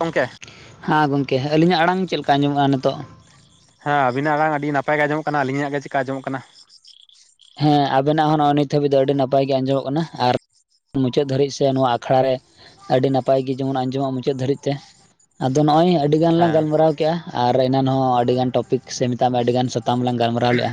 ᱜᱚᱢᱠᱮ ᱦᱟᱸ ᱜᱚᱢᱠᱮ ᱟᱹᱞᱤᱧᱟᱜ ᱟᱲᱟᱝ ᱪᱮᱫ ᱞᱮᱠᱟ ᱟᱡᱚᱢᱚᱜᱼᱟ ᱱᱤᱛᱚᱜ ᱦᱟᱸ ᱟᱵᱤᱱᱟᱜ ᱟᱲᱟᱝ ᱟᱹᱰᱤ ᱱᱟᱯᱟᱭ ᱜᱮ ᱟᱸᱡᱚᱢᱚᱜ ᱠᱟᱱᱟ, ᱟᱹᱞᱤᱧᱟᱜ ᱜᱮ ᱪᱮᱠᱟ ᱟᱸᱡᱚᱜ ᱠᱟᱱᱟ᱾ ᱦᱮᱸ ᱟᱵᱮᱱᱟᱜ ᱦᱚᱸ ᱱᱚᱜᱼᱚᱭ ᱱᱤᱛ ᱦᱟᱹᱵᱤᱡ ᱫᱚ ᱟᱹᱰᱤ ᱱᱟᱯᱟᱭ ᱜᱮ ᱟᱸᱡᱚᱢᱚᱜ ᱠᱟᱱᱟ ᱟᱨ ᱢᱩᱪᱟᱹᱫ ᱫᱷᱟᱹᱨᱤᱡ ᱥᱮ ᱱᱚᱣᱟ ᱟᱠᱷᱲᱟ ᱨᱮ ᱟᱹᱰᱤ ᱱᱟᱯᱟᱭ ᱜᱮ ᱡᱮᱢᱚᱱ ᱟᱸᱡᱚᱢᱚᱜᱼᱟ ᱢᱩᱪᱟᱹᱫ ᱫᱷᱟᱹᱨᱤᱡ ᱛᱮ ᱟᱫᱚ ᱱᱚᱜᱼᱚᱭ ᱟᱹᱰᱤ ᱜᱟᱱ ᱞᱟᱝ ᱦᱮᱸ ᱜᱟᱞᱢᱟᱨᱟᱣ ᱠᱮᱜᱼᱟ, ᱟᱨ ᱮᱱᱟᱱ ᱦᱚᱸ ᱟᱹᱰᱤᱜᱟᱱ ᱴᱚᱯᱤᱠ ᱥᱮ ᱢᱮᱛᱟᱜ ᱢᱮ ᱟᱹᱰᱤ ᱜᱟᱱ [unintelligible] [unintelligible] ᱛᱟᱝ ᱜᱟᱞᱢᱟᱨᱟᱣ ᱞᱮᱜᱼᱟ,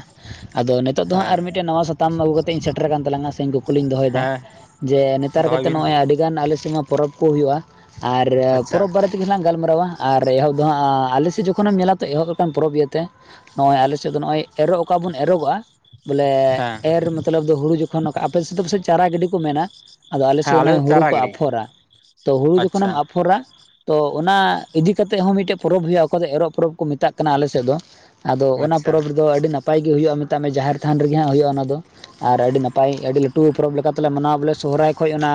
ᱟᱫᱚ ᱱᱤᱛᱚᱜ ᱫᱚ ᱦᱟᱸᱜ ᱦᱮᱸ ᱟᱨ ᱢᱤᱫᱴᱮᱱ ᱱᱟᱣᱟ ᱥᱟᱛᱟᱢ ᱟᱹᱜᱩ ᱠᱟᱛᱮ ᱤᱧ ᱥᱮᱴᱮᱨ ᱠᱟᱱ ᱛᱟᱞᱟᱝᱟ ᱥᱮ [unintelligible] [unintelligible] ᱠᱩᱠᱞᱤᱭ ᱫᱚᱦᱚᱭ ᱫᱟ ᱦᱮᱸ ᱡᱮ ᱱᱮᱛᱟᱨ ᱫᱚᱦᱚᱭ ᱠᱟᱛᱮᱜ ᱵᱤᱱ ᱱᱚᱜᱼᱚᱭ ᱟᱹᱰᱤ ᱜᱟᱱ ᱟᱞᱮ ᱥᱮᱜ ᱢᱟ ᱯᱚᱨᱚᱵᱽ ᱠᱚ ᱦᱩᱭᱩᱜᱼᱟ ᱟᱨ ᱟᱪᱪᱷᱟ ᱯᱚᱨᱚᱵᱽ ᱵᱟᱨᱮᱛᱮ [unintelligible] ᱜᱮᱞᱟᱝ ᱜᱟᱞᱢᱟᱨᱟᱣᱟ ᱟᱨ ᱮᱦᱚᱵ ᱫᱚ ᱦᱟᱸᱜ ᱟᱞᱮ ᱥᱮᱜ ᱡᱚᱠᱷᱚᱱᱮᱢ ᱧᱮᱞᱟ ᱛᱚ ᱮᱦᱚᱵ ᱞᱮᱠᱟᱱ ᱯᱚᱨᱚᱵᱽ ᱤᱭᱟᱹᱛᱮ ᱱᱚᱜᱼᱚᱭ ᱟᱞᱮ ᱥᱮᱫ ᱫᱚ ᱱᱚᱜᱼᱚᱭ ᱮᱨᱚᱜ ᱚᱠᱟᱵᱚᱱ ᱮᱨᱚᱜᱚᱜᱼᱟ ᱵᱚᱞᱮ ᱦᱮᱸ ᱮᱨ ᱢᱚᱛᱞᱚᱵ ᱦᱩᱲᱩ ᱡᱚᱠᱷᱚᱱ ᱚᱠᱟ ᱟᱯᱮ ᱥᱮᱫ ᱯᱟᱥᱮᱡ ᱪᱟᱨᱟ ᱜᱟᱹᱰᱤ ᱠᱚ ᱢᱮᱱᱟ ᱟᱫᱚ ᱟᱞᱮ ᱦᱮᱸ ᱥᱮᱫ ᱫᱚ ᱱᱚᱜᱼᱚᱭ ᱦᱩᱲᱩ ᱪᱟᱨᱟ ᱠᱚ ᱜᱤᱲᱤ ᱟᱯᱷᱚᱨᱟ ᱛᱚ ᱦᱩᱲᱩ ᱟᱪᱪᱷᱟ ᱡᱚᱠᱷᱚᱱᱮᱢ ᱟᱯᱷᱚᱨᱟ ᱛᱚ ᱚᱱᱟ ᱤᱫᱤ ᱠᱟᱛᱮᱜ ᱦᱚᱸ ᱢᱤᱫᱴᱮᱡ ᱯᱚᱨᱚᱵᱽ ᱦᱩᱭᱩᱜᱼᱟ, ᱚᱠᱟ ᱫᱚ ᱮᱨᱚᱜ ᱯᱚᱨᱚᱵᱽ ᱠᱚ ᱢᱮᱛᱟᱜ ᱠᱟᱱᱟ, ᱟᱞᱮ ᱥᱮᱫ ᱫᱚ ᱟᱫᱚ ᱚᱱᱟ ᱟᱪᱪᱷᱟ ᱯᱚᱨᱚᱵᱽ ᱨᱮᱫᱚ ᱟᱹᱰᱤ ᱱᱟᱯᱟᱭ ᱜᱮ ᱦᱩᱭᱩᱜᱼᱟ ᱢᱮᱛᱟᱜ ᱢᱮ ᱡᱟᱦᱮᱨ ᱛᱷᱟᱱ ᱨᱮᱜᱮ ᱦᱟᱸᱜ ᱦᱳᱭᱳᱜᱼᱟ ᱚᱱᱟᱫᱚ, ᱟᱨ ᱟᱹᱰᱤ ᱱᱟᱯᱟᱭ ᱟᱹᱰᱤ ᱞᱟᱹᱴᱩ ᱯᱚᱨᱚᱵᱽ ᱞᱮᱠᱟᱛᱮᱞᱮ ᱢᱟᱱᱟᱣᱟ ᱵᱚᱞᱮ ᱥᱚᱦᱨᱟᱭ ᱠᱷᱚᱡ ᱚᱱᱟ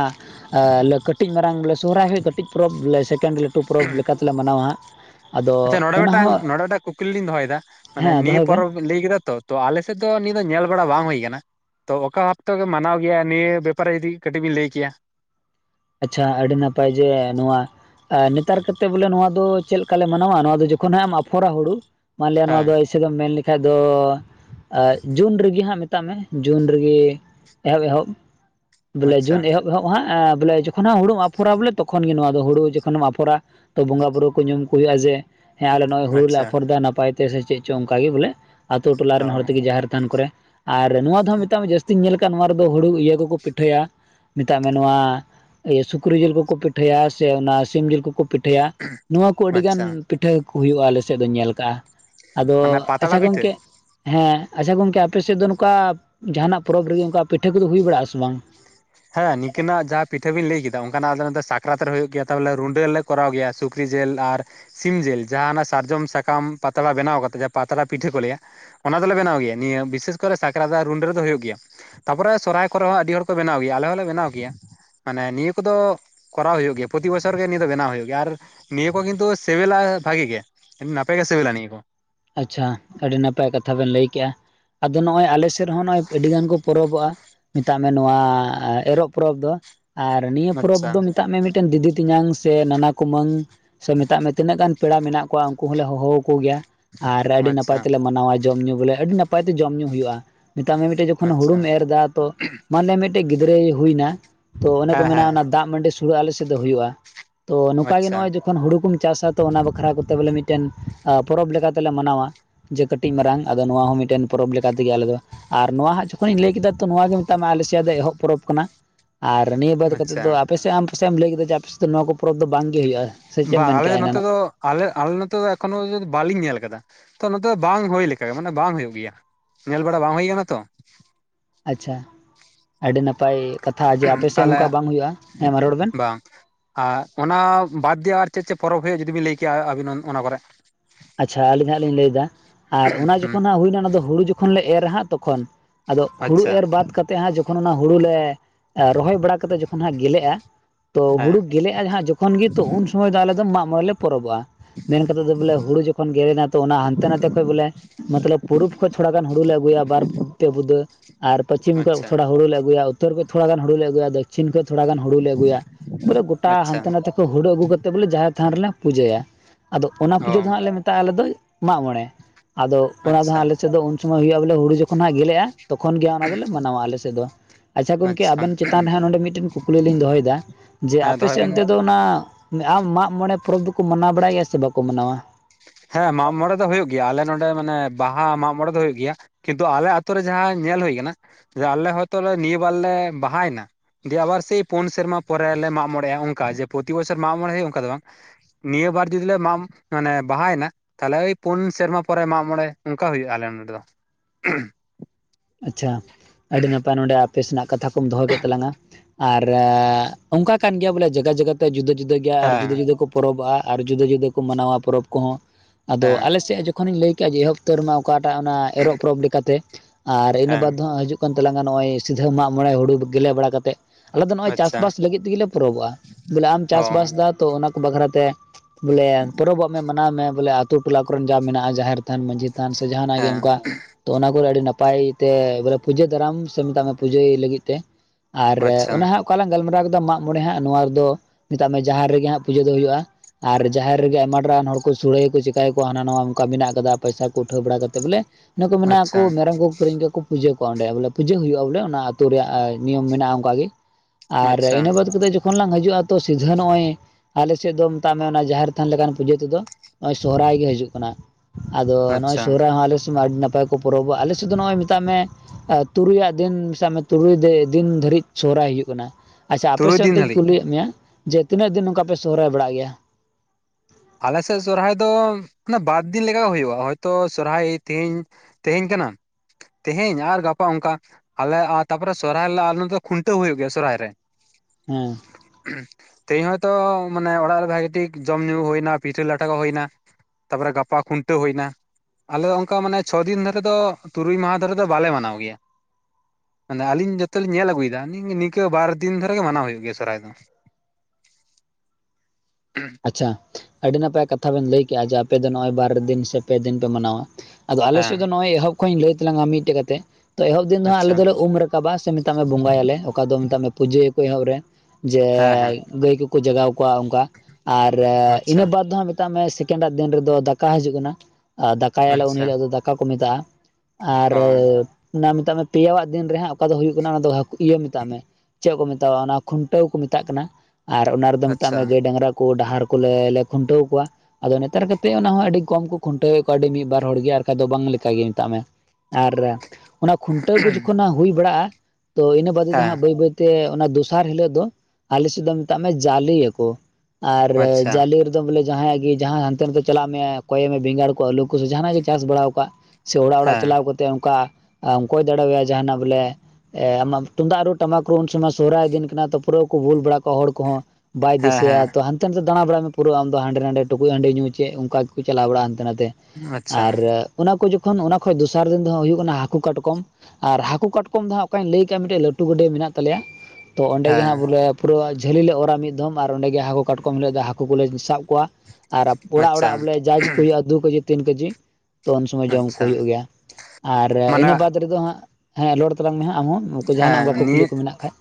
ᱟ ᱞᱟᱠᱟᱹᱴᱤᱡ ᱢᱟᱨᱟᱝ ᱵᱚᱞᱮ ᱥᱚᱦᱨᱟᱭ [inaudible] ᱠᱟᱹᱴᱤᱡ ᱯᱚᱨᱚᱵᱽ ᱞᱮ ᱥᱮᱠᱮᱱᱰ ᱞᱟᱹᱴᱩ ᱯᱚᱨᱚᱵᱽ ᱞᱮᱠᱟ ᱛᱮᱞᱮ ᱢᱟᱱᱟᱣᱟ ᱟᱫᱚ ᱟᱪᱪᱷᱟ ᱱᱚᱰᱮ ᱚᱱᱟ ᱢᱤᱫᱴᱟᱝ ᱦᱚᱸ ᱱᱚᱰᱮ ᱢᱤᱫᱴᱟᱝ ᱠᱩᱠᱞᱤ ᱞᱤᱧ ᱫᱚᱦᱚᱭᱫᱟ, ᱢᱟᱱᱮ ᱦᱮᱸ ᱱᱤᱭᱟᱹ ᱫᱚᱦᱚᱭ ᱵᱮᱱ ᱯᱚᱨᱚᱵᱽ ᱞᱟᱹᱭ ᱠᱮᱫᱟ ᱛᱚ ᱛᱚ ᱟᱞᱮ ᱥᱮᱫ ᱫᱚ ᱱᱤᱭᱟᱹ ᱫᱚ ᱧᱮᱞ ᱵᱟᱲᱟ ᱵᱟᱝ ᱦᱩᱭ ᱠᱟᱱᱟ ᱛᱚ ᱚᱠᱟ ᱚᱯᱛᱮ ᱜᱮ ᱢᱟᱱᱟᱣ ᱜᱮᱭᱟ ᱱᱤᱭᱟᱹ ᱵᱮᱯᱟᱨᱮ ᱤᱫᱤ ᱠᱟᱹᱴᱤᱡ ᱵᱤᱱ ᱞᱟᱹᱭ ᱠᱮᱭᱟ ᱟᱪᱪᱷᱟ ᱟᱹᱰᱤ ᱱᱟᱯᱟᱭ ᱡᱮ ᱱᱚᱣᱟ ᱟᱨ ᱱᱮᱛᱟᱨ ᱠᱟᱛᱮᱫ ᱵᱚᱞᱮ ᱱᱚᱣᱟ ᱫᱚ ᱪᱮᱫ ᱞᱮᱠᱟ ᱞᱮ ᱢᱟᱱᱟᱣᱟ ᱱᱚᱣᱟ ᱫᱚ ᱡᱚᱠᱷᱚᱱ ᱦᱟᱸᱜ ᱟᱢ ᱟᱯᱷᱚᱨᱟ ᱦᱩᱲᱩ ᱢᱟᱱᱞᱮᱭᱟ ᱱᱚᱣᱟ ᱦᱮᱸ ᱫᱚ ᱮᱥᱮ ᱜᱮᱢ ᱢᱮᱱ ᱞᱮᱠᱷᱟᱡ ᱫᱚ ᱟᱡ ᱡᱩᱱ ᱨᱮᱜᱤ ᱦᱟᱸᱜ ᱢᱮᱛᱟᱜ ᱢᱮ ᱡᱩᱱ ᱨᱮᱜᱤ ᱮᱦᱚᱵᱼᱮᱦᱚᱵ ᱵᱚᱞᱮ ᱟᱪᱪᱷᱟ ᱡᱩᱱ ᱮᱦᱚᱵᱼᱮᱦᱚᱵ ᱦᱟᱸᱜ ᱵᱚᱞᱮ ᱡᱩᱱ ᱠᱷᱚᱱᱟᱜ ᱦᱩᱲᱩᱢ ᱟᱯᱷᱚᱨᱟ ᱵᱚᱞᱮ ᱛᱚᱠᱷᱚᱱ ᱜᱮ ᱱᱚᱣᱟ ᱫᱚ ᱦᱩᱲᱩ ᱡᱚᱠᱷᱚᱱ ᱮᱢ ᱟᱯᱷᱚᱨᱟ ᱛᱚ ᱵᱚᱸᱜᱟ ᱵᱩᱨᱩ ᱠᱚ ᱧᱩ ᱠᱚ ᱦᱩᱭᱩᱜᱼᱟ ᱡᱮ ᱦᱮᱸ ᱟᱞᱮ ᱱᱚᱜᱚᱭ ᱦᱩᱲᱩ ᱞᱮ ᱟᱪᱪᱷᱟ ᱟᱯᱷᱚᱨ ᱫᱟ ᱱᱟᱯᱟᱭ ᱛᱮ ᱥᱮ ᱪᱮᱫ ᱪᱚᱝ ᱚᱱᱠᱟ ᱜᱮ ᱵᱚᱞᱮ ᱟᱛᱳ ᱴᱚᱞᱟ ᱚ ᱨᱮᱱ ᱦᱚᱲ ᱛᱮᱜᱤ ᱡᱟᱦᱮᱨ ᱛᱷᱟᱱ ᱠᱚᱨᱮ ᱟᱨ ᱱᱚᱣᱟ ᱫᱚ ᱢᱮᱛᱟᱜ ᱢᱮ ᱡᱟᱹᱥᱛᱤᱧ ᱧᱮᱞ ᱟᱠᱟᱫ ᱱᱚᱣᱟ ᱨᱮᱫᱚ ᱦᱩᱲᱩ ᱤᱭᱟᱹ ᱠᱚᱠᱚ ᱯᱤᱴᱷᱟᱹᱭᱟ ᱢᱮᱛᱟᱜ ᱢᱮ ᱱᱚᱣᱟ ᱤᱭᱟᱹ ᱥᱩᱠᱨᱤ ᱡᱤᱞ ᱠᱚᱠᱚ ᱯᱤᱴᱷᱟᱹᱭᱟ ᱥᱮ ᱚᱱᱟ ᱥᱤᱢ ᱡᱤᱞ ᱠᱚᱠᱚ ᱯᱤᱴᱷᱟᱹᱭᱟ ᱱᱚᱣᱟ ᱠᱚ ᱟᱪᱪᱷᱟ ᱟᱹᱰᱤᱜᱟᱱ ᱯᱤᱴᱷᱟᱹ ᱠᱩ ᱦᱩᱭᱩᱜᱼᱟ ᱟᱞᱮ ᱥᱮᱫ ᱫᱚ ᱧᱮᱞ ᱠᱟᱜᱼᱟ ᱟᱫᱚ ᱢᱟᱱᱮ ᱯᱟᱛᱲᱟ ᱟᱪᱪᱷᱟ ᱯᱤᱴᱷᱟᱹ ᱜᱚᱝᱠᱮ ᱦᱮᱸ ᱟᱪᱪᱷᱟ ᱜᱚᱝᱠᱮ ᱟᱯᱮ ᱥᱮᱫ ᱫᱚ ᱱᱚᱝᱠᱟ ᱡᱟᱦᱟᱱᱟᱜ ᱯᱚᱨᱚᱵᱽ ᱨᱮᱜᱮ ᱚᱱᱠᱟ ᱯᱤᱴᱷᱟᱹ ᱠᱚᱫᱚ ᱦᱩᱭ ᱵᱟᱲᱟᱜ ᱟ ᱥᱮ ᱵᱟᱝ ᱦᱮᱸ ᱱᱤᱠᱟᱹᱱᱟᱜ ᱡᱟᱦᱟᱸ ᱯᱤᱴᱷᱟᱹ ᱵᱤᱱ ᱞᱟᱹᱭ ᱠᱮᱫᱟ ᱚᱱᱠᱟᱱᱟᱜ ᱟᱫᱚ ᱥᱟᱠᱨᱟᱛ ᱨᱮ ᱦᱳᱭᱳᱜ ᱜᱮᱭᱟ ᱛᱚᱵᱚᱞᱮ ᱨᱩᱰᱟᱹᱞᱮ ᱠᱚᱨᱟᱣ ᱜᱮᱭᱟ ᱥᱩᱠᱨᱤ ᱡᱤᱞ ᱟᱨ ᱥᱤᱢ ᱡᱤᱞ ᱡᱟᱦᱟᱱᱟᱜ ᱥᱟᱨᱡᱚᱢ ᱥᱟᱠᱟᱢ ᱯᱟᱛᱲᱟ ᱵᱮᱱᱟᱣ ᱠᱟᱛᱮ ᱡᱟᱦᱟᱸ ᱯᱟᱛᱲᱟ ᱯᱤᱴᱷᱟᱹ ᱠᱚ ᱞᱟᱹᱭᱟ ᱚᱱᱟ ᱫᱚᱞᱮ ᱵᱮᱱᱟᱣ ᱜᱮᱭᱟ ᱱᱤᱭᱟᱹ ᱵᱤᱥᱮᱥ ᱠᱚᱨᱮ ᱥᱟᱠᱨᱟᱛ ᱟᱨ ᱨᱩᱰᱟᱸ ᱨᱮᱫᱚ ᱦᱳᱭᱳᱜ ᱜᱮᱭᱟ ᱛᱟᱯᱚᱨᱮ ᱥᱚᱨᱦᱟᱭ ᱠᱚᱨᱮ ᱦᱚᱸ ᱟᱹᱰᱤ ᱦᱚᱲ ᱠᱚ ᱵᱮᱱᱟᱣ ᱜᱮᱭᱟ ᱟᱞᱮ ᱦᱚᱸᱞᱮ ᱵᱮᱱᱟᱣ ᱜᱮᱭᱟ ᱢᱟᱱᱮ ᱱᱤᱭᱟᱹ ᱠᱚᱫᱚ ᱠᱚᱨᱟᱣ ᱦᱳᱭᱳᱜ ᱜᱮᱭᱟ ᱯᱨᱚᱛᱤ ᱵᱚᱪᱷᱚᱨ ᱜᱮ ᱱᱤᱭᱟᱹ ᱫᱚ ᱵᱮᱱᱟᱣ ᱦᱩᱭᱩᱜ ᱜᱮᱭᱟ ᱟᱨ ᱱᱤᱭᱟᱹ ᱠᱚ ᱠᱤᱱᱛᱩ ᱥᱮᱵᱮᱞᱟ ᱵᱷᱟᱜᱤ ᱜᱮ ᱱᱟᱯᱟ ᱜᱮ ᱥᱮᱵᱮᱞᱟ ᱱᱤᱭᱟᱹ ᱠᱚ ᱟᱪᱪᱷᱟ ᱟᱹᱰᱤ ᱱᱟᱯᱟᱭ ᱠᱟᱛᱷᱟ ᱵᱮᱱ ᱞᱟᱹᱭ ᱠᱮᱜᱼᱟ ᱟᱫᱚ ᱱᱚᱜᱼᱚᱭ ᱟᱞᱮ ᱥᱮᱫ ᱦᱚᱸ ᱱᱚᱜᱚᱭ ᱟᱹᱰᱤ ᱜᱟᱱ ᱠᱚ ᱯᱚᱨᱚᱵᱚᱜᱼᱟ ᱢᱮᱛᱟᱜ ᱢᱮ ᱱᱚᱣᱟ ᱮᱨᱚᱜ ᱯᱚᱨᱚᱵᱽ ᱫᱚ ᱟᱨ ᱱᱤᱭᱟᱹ ᱯᱚᱨᱚᱵᱽ ᱟᱪᱪᱷᱟ ᱫᱚ ᱢᱮᱛᱟᱜ ᱢᱮ ᱢᱤᱜ ᱢᱤᱫᱴᱮᱱ ᱫᱤᱫᱤ ᱛᱮᱭᱟᱝ ᱥᱮ ᱱᱟᱱᱟ ᱠᱩᱢᱟᱹᱝ ᱥᱮ ᱢᱮᱛᱟᱜ ᱢᱮ ᱛᱤᱱᱟᱹᱜ ᱜᱟᱱ ᱯᱮᱲᱟ ᱢᱮᱱᱟᱜ ᱠᱚᱣᱟ ᱩᱱᱠᱩ ᱦᱚᱞᱮ ᱦᱚᱦᱚ ᱟᱠᱚ ᱜᱮᱭᱟ ᱟᱨ ᱟᱹᱰᱤ ᱱᱟᱯᱟᱭ ᱟᱪᱪᱷᱟ ᱛᱮᱞᱮ ᱢᱟᱱᱟᱣᱟ ᱡᱚᱢᱼᱧᱩ ᱵᱚᱞᱮ ᱟᱹᱰᱤ ᱱᱟᱯᱟᱭ ᱛᱮ ᱡᱚᱢᱼᱧᱩ ᱦᱩᱭᱩᱜᱼᱟ ᱢᱮᱛᱟᱜ ᱢᱮ ᱢᱤᱫᱴᱮᱱ ᱴᱮ ᱡᱚᱠᱷᱚᱱ ᱟᱪᱪᱷᱟ ᱦᱩᱲᱩᱢ ᱮᱨ ᱫᱟ ᱛᱚ ᱢᱟᱱᱮ ᱢᱤᱫᱴᱤᱡ ᱜᱤᱫᱽᱨᱟᱹᱭ ᱦᱩᱭᱱᱟ ᱛᱚ ᱚᱱᱮ ᱠᱚ ᱦᱮᱸ ᱢᱮᱱᱟ ᱦᱮᱸ ᱚᱱᱟ ᱫᱟᱜ ᱢᱟᱹᱰᱤ ᱥᱩᱲᱟᱹ ᱟᱞᱮ ᱥᱮᱫ ᱫᱚ ᱦᱩᱭᱩᱜᱼᱟ ᱛᱚ ᱱᱚᱝᱠᱟ ᱜᱮ ᱟᱪᱪᱷᱟ ᱱᱚᱜᱼᱚᱭ ᱠᱷᱚᱱ ᱦᱩᱲᱩ ᱠᱚᱢ ᱪᱟᱥᱟ ᱛᱚ ᱚᱱᱟ ᱵᱟᱠᱷᱨᱟ ᱠᱚᱛᱮ ᱵᱚᱞᱮ ᱢᱤᱫᱴᱮᱱ ᱯᱚᱨᱚᱵᱽ ᱞᱮᱠᱟ ᱛᱮᱞᱮ ᱢᱟᱱᱟᱣᱟ ᱡᱮ ᱠᱟᱹᱴᱤᱡ ᱢᱟᱨᱟᱝ ᱟᱫᱚ ᱱᱚᱣᱟ ᱦᱚᱸ ᱢᱤᱫᱴᱮᱱ ᱯᱚᱨᱚᱵᱽ ᱞᱮᱠᱟ ᱛᱮᱜᱮ ᱟᱞᱮ ᱫᱚ ᱟᱨ ᱱᱚᱣᱟ ᱦᱟᱸᱜ ᱡᱚᱠᱷᱚᱱᱤᱧ ᱞᱟᱹᱭ ᱠᱮᱫᱟ ᱛᱚ ᱱᱚᱣᱟ ᱜᱮ ᱢᱮᱛᱟᱜ ᱢᱮ ᱟᱞᱮᱥᱤᱭᱟ ᱫᱚ ᱮᱦᱚᱵ ᱯᱚᱨᱚᱵᱽ ᱠᱟᱱᱟ ᱟᱨ ᱱᱤᱭᱟᱹ ᱵᱟᱫ ᱠᱟᱛᱮᱫ ᱟᱪᱪᱷᱟ ᱫᱚ ᱟᱯᱮᱥᱮᱫ ᱟᱢ ᱯᱟᱥᱮ ᱮᱢ ᱞᱟᱹᱭ ᱠᱮᱫᱟ ᱡᱮ ᱟᱯᱮ ᱥᱮᱫ ᱫᱚ ᱱᱚᱣᱟ ᱠᱚ ᱯᱚᱨᱚᱵᱽ ᱫᱚ ᱵᱟᱝᱜᱮ ᱦᱩᱭᱩᱜᱼᱟ ᱥᱮ ᱪᱮᱫ ᱮᱢ ᱵᱟᱝ ᱢᱮᱱ ᱟᱞᱮ ᱠᱮᱜᱼᱟ ᱫᱚ ᱱᱚᱛᱮ ᱮᱱᱟᱱᱚᱜ ᱫᱚ ᱟᱞᱮ ᱟᱞᱮ ᱱᱚᱛᱮ ᱮᱠᱷᱚᱱᱚ ᱵᱟᱞᱤᱧ ᱧᱮᱞ ᱠᱟᱫᱟ ᱛᱚ ᱱᱚᱛᱮ ᱵᱟᱝ ᱦᱩᱭ ᱞᱮᱠᱟ ᱢᱟᱱᱮ ᱵᱟᱝ ᱦᱳᱭᱳᱜ ᱜᱮᱭᱟ ᱧᱮᱞ ᱵᱟᱲᱟ ᱵᱟᱝ ᱦᱩᱭ ᱟᱠᱟᱱᱟ ᱛᱚ ᱟᱪᱪᱷᱟ ᱟᱹᱰᱤ ᱱᱟᱯᱟᱭ ᱠᱟᱛᱷᱟ ᱡᱮ ᱟᱯᱮ ᱥᱮᱜ ᱛᱟᱦᱚᱞᱮ ᱱᱚᱝᱠᱟ ᱵᱟᱝ ᱦᱩᱭᱩᱜᱼᱟ ᱦᱮᱸ ᱢᱟ ᱨᱚᱲ ᱵᱮᱱ ᱵᱟᱝ ᱟᱨ ᱚᱱᱟ ᱵᱟᱫᱽ ᱫᱤᱭᱮ ᱟᱨ ᱪᱮᱜ ᱪᱮᱜ ᱯᱚᱨᱚᱵᱽ ᱦᱩᱭᱩᱜᱼᱟ ᱡᱩᱫᱤ ᱵᱤᱱ ᱞᱟᱹᱭ ᱠᱮᱭᱟ ᱟᱹᱵᱤᱱ ᱚᱱᱟ ᱠᱚᱨᱮ ᱟᱪᱪᱷᱟ ᱟᱹᱞᱤᱧ ᱦᱟᱸᱜ ᱞᱤᱧ ᱞᱟᱹᱭ ᱮᱫᱟ ᱟᱨ ᱚᱱᱟ ᱦᱩᱸ ᱡᱚᱠᱷᱚᱱ ᱦᱟᱸᱜ ᱦᱩᱭ ᱮᱱᱟ ᱚᱱᱟ ᱫᱚ ᱦᱩᱲᱩ ᱡᱚᱠᱷᱚᱱ ᱞᱮ ᱮᱨ-ᱟ ᱦᱟᱸᱜ ᱛᱚᱠᱷᱚᱱ ᱟᱫᱚ ᱦᱩᱲᱩ ᱟᱪᱪᱷᱟ ᱮᱨ ᱵᱟᱫ ᱠᱟᱛᱮ ᱦᱟᱸᱜ ᱡᱚᱠᱷᱚᱱ ᱚᱱᱟ ᱦᱩᱲᱩ ᱞᱮ ᱨᱚᱦᱚᱭ ᱵᱟᱲᱟ ᱠᱟᱛᱮ ᱡᱚᱠᱷᱚᱱ ᱦᱟᱸᱜ ᱜᱮᱞᱮᱜᱼᱟ ᱛᱚ ᱦᱮᱸ ᱦᱩᱲᱩ ᱜᱮᱞᱮᱜᱼᱟ ᱡᱚᱠᱷᱚᱱ ᱜᱮ ᱛᱚ ᱩᱱ ᱥᱚᱢᱚᱭ ᱫᱚ ᱟᱞᱮ ᱫᱚ ᱢᱟᱜ ᱢᱚᱬᱮ ᱞᱮ ᱯᱚᱨᱚᱵᱚᱜᱼᱟ ᱢᱮᱱ ᱠᱟᱛᱮᱫ ᱫᱚ ᱵᱩᱞᱟᱣ ᱦᱩᱲᱩ ᱡᱚᱠᱷᱚᱱ ᱜᱮᱞᱮ ᱮᱱᱟ ᱚᱱᱟ ᱦᱟᱱᱛᱮ ᱱᱟᱛᱮ ᱠᱷᱚᱡ ᱵᱚᱞᱮ ᱢᱚᱛᱞᱚᱵ ᱯᱩᱨᱩᱵ ᱠᱷᱚᱡ ᱛᱷᱚᱲᱟ ᱜᱟᱱ ᱦᱩᱲᱩ ᱞᱮ ᱟᱹᱜᱩᱭᱟ ᱵᱟᱨ ᱯᱮ ᱵᱩᱫᱟᱹ ᱟᱨ ᱯᱚᱪᱷᱤᱢ ᱠᱷᱚᱡ ᱟᱪᱪᱷᱟ ᱛᱷᱚᱲᱟ ᱦᱩᱲᱩ ᱞᱮ ᱟᱹᱜᱩᱭᱟ ᱩᱛᱚᱨ ᱠᱷᱚᱱ ᱛᱷᱚᱲᱟ ᱜᱟᱱ ᱦᱩᱲᱩ ᱟᱹᱜᱩᱭᱟ ᱫᱚᱠᱷᱤᱱ ᱠᱷᱚᱱ ᱛᱷᱚᱲᱟ ᱜᱟᱱ ᱦᱩᱲᱩ ᱞᱮ ᱟᱹᱜᱩᱭᱟ ᱵᱚᱞᱮ ᱜᱚᱴᱟ ᱟᱪᱪᱷᱟ ᱦᱟᱱᱛᱮ ᱱᱟᱛᱮ ᱦᱩᱲᱩ ᱟᱹᱜᱩ ᱠᱟᱛᱮᱫ ᱵᱚᱞᱮ ᱡᱟᱦᱮᱨ ᱛᱷᱟᱱ ᱨᱮᱞᱮ ᱯᱩᱡᱟᱹᱭᱟ ᱟᱫᱚ ᱚᱱᱟ ᱚ ᱯᱩᱡᱟᱹ ᱫᱚ ᱦᱟᱸᱜ ᱞᱮ ᱢᱮᱛᱟᱜᱼᱟ ᱟᱞᱮ ᱫᱚ ᱢᱟᱜ ᱢᱚᱬᱮ ᱟᱫᱚ ᱚᱱᱟ ᱫᱚ ᱟᱪᱪᱷᱟ ᱦᱟᱸᱜ ᱟᱞᱮ ᱥᱮᱫ ᱫᱚ ᱩᱱ ᱥᱚᱢᱚᱭ ᱦᱩᱭᱩᱜᱼᱟ ᱵᱚᱞᱮ ᱦᱩᱲᱩ ᱡᱚᱠᱷᱚᱱ ᱦᱟᱸᱜ ᱜᱮᱞᱮᱜᱼᱟ ᱛᱚᱠᱷᱚᱱ ᱜᱮ ᱚᱱᱟ ᱫᱚᱞᱮ ᱢᱟᱱᱟᱣᱟ ᱟᱞᱮ ᱥᱮᱫ ᱫᱚ ᱟᱪᱪᱷᱟ ᱜᱚᱝᱠᱮ ᱟᱵᱮᱱ ᱪᱮᱛᱟᱱ ᱨᱮᱦᱟᱸᱜ ᱱᱚᱰᱮ ᱢᱤᱫᱴᱮᱱ ᱠᱩᱠᱞᱤ ᱞᱤᱧ ᱫᱚᱦᱚᱭᱫᱟ ᱡᱮ ᱦᱮᱸ ᱟᱯᱮ ᱫᱚᱦᱚᱭ ᱥᱮᱱ ᱵᱤᱱ ᱛᱮᱫᱚ ᱚᱱᱟ ᱟᱢ ᱢᱟᱜ ᱢᱚᱬᱮ ᱯᱚᱨᱚᱵᱽ ᱫᱚᱠᱚ ᱢᱟᱱᱟᱣ ᱵᱟᱲᱟᱭᱟ ᱥᱮ ᱵᱟᱠᱚ ᱢᱟᱱᱟᱣᱟ? ᱦᱮᱸ ᱢᱟᱜᱽ ᱢᱚᱬᱮ ᱫᱚ ᱦᱩᱭᱩᱜ ᱜᱮᱭᱟ᱾ ᱟᱞᱮ ᱱᱚᱸᱰᱮ ᱢᱟᱱᱮ ᱵᱟᱦᱟ ᱢᱟᱜᱽ ᱢᱚᱬᱮ ᱫᱚ ᱦᱩᱭᱩᱜ ᱜᱮᱭᱟ। ᱠᱤᱱᱛᱩ ᱟᱞᱮ ᱟᱛᱩ ᱨᱮ ᱡᱟᱦᱟᱸ ᱧᱮᱞ ᱦᱩᱭ ᱠᱟᱱᱟ ᱡᱮ ᱟᱞᱮ ᱦᱚᱭᱛᱳ ᱱᱤᱭᱟᱹ ᱵᱟᱨ ᱞᱮ ᱵᱟᱦᱟᱭᱮᱱᱟ᱾ ᱫᱮᱭᱮ ᱟᱵᱟᱨ ᱥᱮᱭ ᱯᱩᱱ ᱥᱮᱨᱢᱟ ᱯᱚᱨᱮ ᱞᱮ ᱢᱟᱜ ᱢᱚᱬᱮᱜᱼᱟ ᱚᱱᱠᱟ ᱡᱮ ᱯᱨᱚᱛᱤ ᱵᱚᱪᱷᱚᱨ ᱢᱟᱜ ᱢᱚᱬᱮ ᱦᱩᱭᱩᱜ ᱚᱱᱠᱟ ᱫᱚ ᱵᱟᱝ। ᱱᱤᱭᱟᱹ ᱵᱟᱨ ᱡᱚᱫᱤ ᱢᱟᱢ ᱢᱟᱱᱮ ᱼᱼ ᱵᱟᱦᱟᱭᱮᱱᱟ ᱛᱟᱦᱚᱞᱮ ᱳᱭ ᱯᱩᱱ ᱥᱮᱨᱢᱟ ᱯᱚᱨᱮ ᱢᱟᱜ ᱢᱚᱬᱮ ᱚᱱᱠᱟ ᱦᱩᱭᱩᱜᱼᱟ ᱟᱞᱮ ᱱᱚᱸᱰᱮ ᱫᱚ। [unintelligible] ᱟᱪᱪᱷᱟ ᱟᱹᱰᱤ ᱱᱟᱯᱟᱭ ᱱᱚᱰᱮ ᱟᱯᱮ ᱥᱮᱱᱟᱜ ᱠᱟᱛᱷᱟ ᱠᱚᱢ ᱫᱚᱦᱚ ᱠᱮᱫ ᱛᱟᱞᱟᱝᱟ। ᱟᱨ ᱚᱱᱠᱟ ᱠᱟᱱ ᱜᱮᱭᱟ ᱵᱚᱞᱮ ᱡᱟᱭᱜᱟ ᱡᱟᱭᱜᱟᱛᱮ ᱡᱩᱫᱟᱹ ᱡᱩᱫᱟᱹ ᱜᱮᱭᱟ᱾ ᱟᱨ ᱡᱩᱫᱟᱹ ᱦᱮᱸ ᱡᱩᱫᱟᱹ ᱠᱚ ᱼᱼ ᱯᱚᱨᱚᱵᱚᱜᱼᱟ ᱟᱨ ᱡᱩᱫᱟᱹ ᱡᱩᱫᱟᱹ ᱠᱚ ᱢᱟᱱᱟᱣᱟ ᱯᱚᱨᱚᱵᱽ ᱠᱚᱦᱚᱸ ᱟᱫᱚ ᱦᱮᱸ ᱟᱞᱮᱥᱮᱫ ᱦᱚᱸ ᱡᱚᱠᱷᱚᱱ ᱡᱚᱠᱷᱚᱱᱤᱧ ᱞᱟᱹᱭ ᱠᱮᱜᱼᱟ ᱡᱮ ᱮᱦᱚᱵ ᱩᱛᱟᱹᱨ ᱢᱟ ᱚᱠᱟᱴᱟᱜ ᱚᱱᱟ ᱮᱨᱚᱜ ᱯᱚᱨᱚᱵᱽ ᱞᱮᱠᱟᱛᱮ ᱟᱨ ᱤᱱᱟᱹ ᱦᱮᱸ ᱵᱟᱫ ᱫᱚ ᱦᱟᱸᱜ ᱦᱤᱡᱩᱜ ᱛᱟᱞᱟᱝᱟ ᱱᱚᱭ ᱥᱤᱫᱷᱟᱹ ᱢᱟᱜ ᱢᱚᱬᱮ ᱦᱩᱲᱩ ᱜᱮᱞᱮ ᱵᱟᱲᱟ ᱠᱟᱛᱮᱜ ᱟᱞᱮ ᱫᱚ ᱱᱚᱜᱚᱭ ᱟᱪᱪᱷᱟ ᱪᱟᱥᱵᱟᱥ ᱞᱟᱹᱜᱤᱫ ᱛᱮᱜᱮ ᱞᱮ ᱯᱚᱨᱚᱵᱚᱜᱼᱟ᱾ ᱵᱚᱞᱮ ᱟᱢ ᱚ ᱪᱟᱥᱵᱟᱥ ᱮᱫᱟ ᱛᱚ ᱚᱱᱟ ᱠᱚ ᱵᱟᱠᱷᱨᱟᱛᱮ। ᱵᱚᱞᱮ ᱯᱚᱨᱚᱵᱚᱜ ᱢᱮ ᱢᱟᱱᱟᱣ ᱢᱮ᱾ ᱵᱚᱞᱮ ᱟᱛᱳ ᱴᱚᱞᱟ ᱠᱚᱨᱮᱱ ᱡᱟ ᱢᱮᱱᱟᱜᱼᱟ ᱡᱟᱦᱮᱨ ᱛᱷᱟᱱ ᱢᱟᱺᱡᱷᱤ ᱼᱼ ᱛᱷᱟᱱ ᱥᱮ ᱡᱟᱦᱱᱟᱜ ᱜᱮ ᱦᱮᱸ ᱚᱱᱠᱟ ᱛᱚ ᱚᱱᱟ ᱠᱚᱨᱮ ᱟᱹᱰᱤ ᱱᱟᱯᱟᱭ ᱱᱟᱯᱟᱭ ᱛᱮ ᱵᱚᱞᱮ ᱯᱩᱡᱟᱹ ᱫᱟᱨᱟᱢ ᱥᱮ ᱢᱮᱛᱟᱜ ᱢᱮ ᱯᱩᱡᱟᱹᱭ ᱞᱟᱹᱜᱤᱫ ᱛᱮ᱾ ᱟᱨ ᱟᱪᱪᱷᱟ ᱚᱱᱟ ᱦᱟᱸᱜ ᱼᱼ ᱚᱠᱟ ᱞᱟᱝ ᱜᱟᱞᱢᱟᱨᱟᱣ ᱠᱮᱫᱟ ᱢᱟᱜ ᱢᱚᱬᱮ ᱦᱟᱸᱜ ᱱᱚᱣᱟ ᱨᱮ ᱫᱚ ᱢᱮᱛᱟᱜ ᱢᱮ ᱡᱟᱦᱮᱨ ᱨᱮᱜᱮ ᱦᱟᱸᱜ ᱯᱩᱡᱟᱹ ᱫᱚ ᱦᱩᱭᱩᱜᱼᱟ। ᱟᱨ ᱡᱟᱦᱮᱨ ᱨᱮᱜᱮ ᱟᱭᱢᱟ ᱰᱷᱮᱨᱟᱱ ᱦᱚᱲ ᱠᱚ ᱥᱲᱮᱭᱟᱠᱚ ᱪᱤᱠᱟᱹᱭᱟᱠᱚ ᱦᱟᱱᱟ ᱱᱟᱣᱟ ᱚᱱᱠᱟ ᱢᱮᱱᱟᱜ ᱠᱟᱫᱟ ᱯᱚᱭᱥᱟ ᱠᱚ ᱩᱴᱷᱟᱹᱣ ᱵᱟᱲᱟ ᱠᱟᱛᱮᱫ ᱵᱚᱞᱮ ᱼᱼ ᱤᱱᱟᱹ ᱠᱚ ᱢᱮᱱᱟᱜᱼᱟ ᱠᱚ ᱟᱪᱪᱷᱟ ᱢᱮᱨᱚᱢ ᱠᱚ ᱼᱼ ᱜᱮᱠᱚ ᱯᱩᱡᱟᱹ ᱠᱚᱣᱟ ᱚᱸᱰᱮ ᱵᱚᱞᱮ ᱯᱩᱡᱟᱹ ᱦᱩᱭᱩᱜᱼᱟ ᱵᱚᱞᱮ ᱚᱱᱟ ᱟᱹᱛᱩ ᱨᱮᱭᱟᱜ ᱱᱤᱭᱚᱢ ᱢᱮᱱᱟᱜᱼᱟ ᱚᱱᱠᱟ ᱜᱮ। ᱟᱨ ᱟᱪᱪᱷᱟ ᱤᱱᱟᱹ ᱵᱟᱫ ᱠᱟᱛᱮ ᱡᱚᱠᱷᱚᱱ ᱞᱟᱝ ᱦᱤᱡᱩᱜᱼᱟ ᱛᱚ᱾ ᱥᱤᱫᱷᱟᱹ ᱱᱚᱜᱼᱚᱭ ᱼᱼ ᱟᱞᱮ ᱥᱮᱫ ᱫᱚ ᱢᱮᱛᱟᱜ ᱢᱮ ᱚᱱᱟ ᱡᱟᱦᱮᱨ ᱛᱷᱟᱱ ᱞᱮᱠᱟᱱ ᱯᱩᱡᱟᱹ ᱛᱮᱫᱚ ᱱᱚᱜᱼᱚᱭ ᱥᱚᱦᱨᱟᱭ ᱜᱮ ᱦᱤᱡᱩᱜ ᱠᱟᱱᱟ। ᱟᱫᱚ ᱱᱚᱜᱼᱚᱭ ᱟᱪᱪᱷᱟ ᱥᱚᱦᱨᱟᱭ ᱦᱚᱸ ᱟᱞᱮ ᱥᱮᱫ ᱢᱟ ᱟᱹᱰᱤ ᱱᱟᱯᱟᱭ ᱠᱚ ᱯᱚᱨᱚᱵᱚᱜᱼᱟ᱾ ᱟᱞᱮ ᱥᱮᱫ ᱫᱚ ᱱᱚᱜᱼᱚᱭ ᱢᱮᱛᱟᱜ ᱢᱮ ᱼᱼ ᱛᱩᱨᱩᱭᱟᱜ ᱫᱤᱱ ᱥᱟᱵ ᱢᱮ ᱛᱩᱨᱩᱭ ᱫᱤᱱ ᱫᱷᱟᱹᱨᱤᱡ ᱥᱚᱦᱨᱟᱭ ᱦᱩᱭᱩᱜ ᱠᱟᱱᱟ। ᱟᱪᱪᱷᱟ ᱛᱩᱨᱩᱭ ᱟᱯᱮᱥᱮᱫ ᱫᱤᱱ ᱚᱱᱛᱮᱧ ᱫᱷᱟᱹᱞᱤᱡ ᱠᱩᱞᱤᱭᱮᱫ ᱢᱮᱭᱟ ᱡᱮ ᱛᱤᱱᱟᱹᱜ ᱫᱤᱱ ᱱᱚᱝᱠᱟ ᱯᱮ ᱥᱚᱦᱨᱟᱭ ᱵᱟᱲᱟᱜ ᱜᱮᱭᱟ? ᱟᱞᱮ ᱥᱮᱫ ᱥᱚᱨᱦᱟᱭ ᱫᱚ ᱚᱱᱟ ᱵᱟᱨ ᱫᱤᱱ ᱞᱮ ᱞᱮᱠᱟ ᱦᱩᱭᱩᱜᱼᱟ᱾ ᱦᱚᱭᱛᱳ ᱥᱚᱨᱦᱟᱭ ᱛᱮᱦᱤᱧ ᱼᱼ ᱛᱮᱦᱮᱧ ᱠᱟᱱᱟ ᱛᱮᱦᱮᱧ ᱟᱨ ᱜᱟᱯᱟ ᱚᱱᱠᱟ ᱼᱼ ᱟᱞᱮ ᱟ ᱛᱟᱯᱚᱨᱮ ᱥᱚᱨᱦᱟᱭ ᱞᱮ, ᱟᱞᱮᱫᱚ ᱠᱷᱩᱱᱴᱟᱹᱣ ᱦᱩᱭᱩᱜ ᱜᱮᱭᱟ ᱥᱚᱨᱦᱟᱭ ᱨᱮ। ᱦᱮᱸ ᱛᱮᱦᱮᱧ ᱦᱚᱭᱛᱚ ᱢᱟᱱᱮ ᱚᱲᱟᱜ ᱨᱮ ᱵᱷᱟᱜᱤ ᱴᱷᱤᱠ ᱡᱚᱢ ᱧᱩ ᱦᱩᱭᱱᱟ ᱯᱤᱴᱷᱟᱹ ᱞᱟᱴᱷᱟ ᱠᱚ ᱦᱩᱭᱱᱟ। ᱛᱟᱯᱚᱨᱮ ᱜᱟᱯᱟ ᱠᱷᱩᱱᱴᱟᱹᱣ ᱦᱩᱭ ᱮᱱᱟ। ᱟᱞᱮ ᱫᱚ ᱚᱱᱠᱟ ᱢᱟᱱᱮ ᱪᱷᱚ ᱫᱤᱱ ᱫᱷᱚᱨᱮ ᱫᱚ ᱛᱩᱨᱩᱭ ᱢᱟᱦᱟ ᱫᱷᱚᱨᱮ ᱫᱚ ᱵᱟᱞᱮ ᱢᱟᱱᱟᱣ ᱜᱮᱭᱟ। ᱢᱟᱱᱮ ᱟᱹᱞᱤᱧ ᱡᱚᱛᱚ ᱞᱤᱧ ᱧᱮᱞ ᱟᱹᱜᱩᱭᱮᱫᱟ ᱱᱤᱝ ᱱᱤᱝᱠᱟᱹ ᱵᱟᱨ ᱫᱤᱱ ᱫᱷᱚᱨᱮ ᱜᱮ ᱢᱟᱱᱟᱣ ᱦᱩᱭᱩᱜ ᱜᱮᱭᱟ ᱥᱚᱨᱦᱟᱭ ᱫᱚ। [unintelligible] ᱮᱦᱸᱜ ᱟᱪᱪᱷᱟ ᱟᱹᱰᱤ ᱱᱟᱯᱟᱭ ᱠᱟᱛᱷᱟ ᱵᱮᱱ ᱞᱟᱹᱭ ᱠᱮᱜᱼᱟ ᱡᱮ, ᱟᱯᱮ ᱫᱚ ᱱᱚᱜᱼᱚᱭ ᱵᱟᱨ ᱫᱤᱱ ᱥᱮ ᱯᱮ ᱫᱤᱱ ᱯᱮ ᱢᱟᱱᱟᱣᱟ। ᱟᱫᱚ ᱟᱞᱮ ᱥᱮᱫ ᱫᱚ ᱦᱮᱸ ᱱᱚᱜ-ᱚᱭ ᱮᱦᱚᱵ ᱠᱷᱚᱸᱡ, ᱤᱧ ᱞᱟᱹᱭᱮᱫ ᱛᱟᱞᱟᱝ ᱟ ᱢᱤᱫᱴᱮᱡ ᱠᱟᱛᱮ। ᱛᱚ ᱮᱦᱚᱵ ᱫᱤᱱ ᱫᱚ ᱦᱟᱸᱜ ᱟᱞᱮ ᱟᱪᱪᱷᱟ ᱫᱚᱞᱮ ᱩᱢ ᱨᱟᱠᱟᱵᱟ, ᱥᱮ ᱢᱮᱛᱟᱜ ᱢᱮ ᱵᱚᱸᱜᱟᱭᱟᱞᱮ ᱚᱠᱟ ᱫᱚ ᱢᱮᱛᱟᱜ ᱢᱮ ᱯᱩᱡᱟᱹᱭᱟᱠᱚ ᱮᱦᱚᱵ ᱨᱮ। ᱡᱮ ᱦᱮᱸ ᱦᱮᱸ ᱜᱟᱹᱭ ᱠᱚᱠᱚ ᱡᱟᱜᱟᱣ ᱠᱚᱣᱟ ᱚᱱᱠᱟ, ᱟᱨ ᱟᱪᱪᱷᱟ ᱤᱱᱟᱹ ᱵᱟᱫ ᱫᱚᱦᱟᱸᱜ ᱢᱤᱫᱼᱼ ᱢᱮᱛᱟᱜ ᱢᱮ ᱥᱮᱠᱮᱱᱰ ᱟᱜ ᱫᱤᱱ ᱨᱮᱫᱚ ᱫᱟᱠᱟ ᱦᱤᱡᱩᱜ ᱠᱟᱱᱟ ᱟᱨ ᱫᱟᱠᱟᱭᱟᱞᱮ ᱩᱱ ᱟᱪᱪᱷᱟ ᱦᱤᱞᱚᱜ ᱫᱚ ᱫᱟᱠᱟ ᱠᱚ ᱢᱮᱛᱟᱜᱼᱟ। ᱟᱨ ᱚ ᱚᱱᱟ ᱢᱮᱛᱟᱜ ᱢᱮ ᱯᱮᱭᱟᱣᱟᱜ ᱫᱤᱱ ᱨᱮᱦᱟᱸᱜ ᱚᱠᱟ ᱫᱚ ᱦᱩᱭᱩᱜ ᱠᱟᱱᱟ ᱚᱱᱟ ᱫᱚ ᱦᱟᱹᱠᱩ ᱤᱭᱟᱹ ᱢᱮᱛᱟᱜ ᱢᱮ। ᱪᱮᱫ ᱠᱚ ᱢᱮᱛᱚᱣᱟᱜ ᱚᱱᱟ ᱠᱷᱩᱱᱴᱟᱹᱣ ᱠᱚ ᱢᱮᱛᱟᱜ ᱠᱟᱱᱟ ᱾ ᱟᱨ ᱚᱱᱟ ᱨᱮᱫᱚ ᱢᱮᱛᱟᱜ ᱟᱪᱪᱷᱟ ᱢᱮ ᱜᱟᱹᱭ ᱰᱟᱝᱨᱟ ᱼᱼ ᱠᱚ ᱰᱟᱦᱟᱨ ᱠᱚᱞᱮ, ᱞᱮ ᱠᱷᱩᱱᱴᱟᱹᱣ ᱠᱚᱣᱟ। ᱟᱫᱚ ᱱᱮᱛᱟᱨ ᱠᱟ ᱠᱟᱛᱮᱜ ᱚᱱᱟ ᱦᱚᱸ ᱟᱹᱰᱤ ᱠᱚᱢ ᱠᱚ ᱠᱷᱩᱱᱴᱟᱹᱣᱮᱫ ᱠᱚᱣᱟ, ᱟᱹᱰᱤ ᱢᱤᱫ ᱵᱟᱨ ᱦᱚᱲᱜᱮ ᱟᱨ ᱵᱟᱠᱷᱟᱡ ᱫᱚ ᱵᱟᱝ ᱞᱮᱠᱟ ᱜᱮ ᱢᱮᱛᱟᱜ ᱢᱮ। ᱟᱨ ᱚᱱᱟ ᱠᱷᱩᱱᱴᱟᱹᱣ ᱠᱚ ᱡᱚᱠᱷᱚᱱ ᱱᱟᱜ, ᱦᱩᱭ ᱵᱟᱲᱟᱜᱼᱟ ᱛᱚ ᱤᱱᱟᱹ ᱵᱟᱫᱮ ᱫᱚ ᱦᱮᱸ ᱦᱟᱸᱜ ᱵᱟᱹᱭ ᱵᱟᱹᱭ ᱼᱼ ᱛᱮ ᱚᱱᱟ ᱫᱚᱥᱟᱨ ᱦᱤᱞᱚᱜ ᱫᱚ ᱟᱞᱮᱥᱮᱫ ᱫᱚ ᱢᱮᱛᱟᱜ ᱢᱮ ᱡᱟᱞᱮᱭᱟᱠᱚ ᱾ ᱟᱨ ᱟᱪᱪᱷᱟ ᱡᱟᱞᱮᱨ ᱫᱚ ᱵᱚᱞᱮ ᱡᱟᱦᱟᱸᱭᱟᱜ ᱜᱮ ᱡᱟᱦᱟᱸ ᱦᱟᱱᱛᱮ ᱱᱟᱛᱮ ᱪᱟᱞᱟᱜ ᱢᱮ ᱠᱚᱭᱮ ᱢᱮ ᱵᱮᱸᱜᱟᱲ ᱠᱚ ᱟᱹᱞᱩ ᱠᱚ ᱥᱮ ᱡᱟᱦᱟᱱᱟᱜ ᱜᱮ ᱪᱟᱥ ᱵᱟᱲᱟᱣ ᱠᱟᱜ। ᱥᱮ ᱚᱲᱟᱜ ᱚᱲᱟᱜ ᱦᱮᱸ ᱪᱟᱞᱟᱣ ᱠᱟᱛᱮ ᱚᱱᱠᱟ ᱟᱢ ᱠᱚᱭ ᱫᱟᱲᱮᱟᱭᱟ ᱡᱟᱦᱟᱱᱟᱜ ᱵᱚᱞᱮ। ᱮ ᱟᱢᱟᱜ ᱛᱩᱢᱫᱟᱜ ᱨᱩ ᱴᱟᱢᱟᱠ ᱨᱩ ᱩᱱ ᱥᱚᱢᱚᱭ ᱥᱚᱦᱚᱨᱟᱭ ᱫᱤᱱ ᱠᱟᱱᱟ ᱛᱚ ᱯᱩᱨᱟᱹ ᱠᱚ ᱵᱩᱞ ᱵᱟᱲᱟ ᱠᱚᱜᱼᱟ ᱦᱚᱲ ᱠᱚᱦᱚᱸ। ᱵᱟᱭ ᱦᱮᱸ ᱫᱤᱥᱟᱹᱭᱟ ᱛᱚ ᱦᱮᱸ ᱦᱟᱱᱛᱮ ᱱᱟᱛᱮ ᱫᱟᱸᱲᱟ ᱵᱟᱲᱟᱭ ᱢᱮ ᱯᱩᱨᱟᱹ ᱟᱢᱫᱚ ᱦᱟᱸᱰᱮ ᱱᱟᱸᱰᱮ ᱴᱩᱠᱩᱡ ᱦᱟᱺᱰᱤ ᱧᱩ ᱪᱮᱫ ᱚᱱᱠᱟ ᱜᱮᱠᱚ ᱪᱟᱞᱟᱣ ᱵᱟᱲᱟᱜᱼᱟ ᱦᱟᱱᱛᱮ ᱱᱟᱛᱮ। ᱟᱪᱪᱷᱟ ᱟᱨ ᱚᱱᱟ ᱠᱚ ᱡᱚᱠᱷᱚᱱ ᱚᱱᱟ ᱠᱷᱚᱡ ᱫᱚᱥᱟᱨ ᱫᱤᱱ ᱫᱚ ᱦᱩᱭᱩᱜ ᱠᱟᱱᱟ ᱦᱟᱹᱠᱩ ᱠᱟᱴᱠᱚᱢ᱾ ᱟᱨ ᱦᱟᱹᱠᱩ ᱠᱟᱴᱠᱚᱢ ᱫᱚ ᱦᱟᱸᱜ ᱚᱠᱟᱧ ᱞᱟᱹᱭ ᱠᱟᱜᱼᱟ ᱢᱤᱫᱴᱮᱱ ᱞᱟᱹᱴᱩ ᱜᱟᱹᱰᱤᱭᱟᱹ ᱢᱮᱱᱟᱜ ᱛᱟᱞᱮᱭᱟ ᱛᱚ ᱚᱸᱰᱮ ᱜᱮ ᱦᱟᱸᱜ ᱦᱮᱸ ᱵᱚᱞᱮ ᱯᱩᱨᱟᱹ ᱡᱷᱟᱹᱞᱤ ᱞᱮ ᱚᱨᱟ ᱢᱤᱫ ᱫᱷᱚᱢ ᱟᱨ ᱚᱸᱰᱮ ᱦᱟᱹᱠᱩ ᱠᱟᱴᱚᱢ ᱦᱤᱞᱳᱜ ᱫᱚ ᱦᱟᱹᱠᱩ ᱠᱚᱞᱮ ᱥᱟᱵ ᱠᱚᱣᱟ ᱟᱨ ᱚᱲᱟᱜ ᱟᱪᱪᱷᱟ ᱚᱲᱟᱜ ᱵᱚᱞᱮ ᱡᱟᱜᱮ ᱠᱚ ᱦᱩᱭᱩᱜ-ᱟ ᱫᱩ ᱠᱮᱡᱤ ᱛᱤᱱ ᱠᱮᱡᱤ ᱛᱚ ᱩᱱ ᱥᱚᱢᱚᱭ ᱡᱚᱢ ᱠᱚ ᱟᱪᱪᱷᱟ ᱦᱩᱭᱩᱜ ᱜᱮᱭᱟ ᱟᱨ ᱢᱟᱱᱮ ᱤᱱᱟᱹ ᱵᱟᱫᱽ ᱨᱮᱫᱚ ᱦᱟᱸᱜ ᱦᱮᱸ ᱨᱚᱲ ᱛᱟᱞᱟᱝ ᱢᱮ ᱦᱟᱸᱜ ᱟᱢᱦᱚᱸ ᱩᱱᱩᱠᱩ ᱡᱟᱦᱟᱱᱟᱜ ᱦᱮᱸ ᱚᱱᱠᱟ ᱠᱩᱠᱞᱤ ᱱᱤᱭᱟᱹ ᱠᱚ ᱢᱮᱱᱟᱜ ᱠᱷᱟᱡ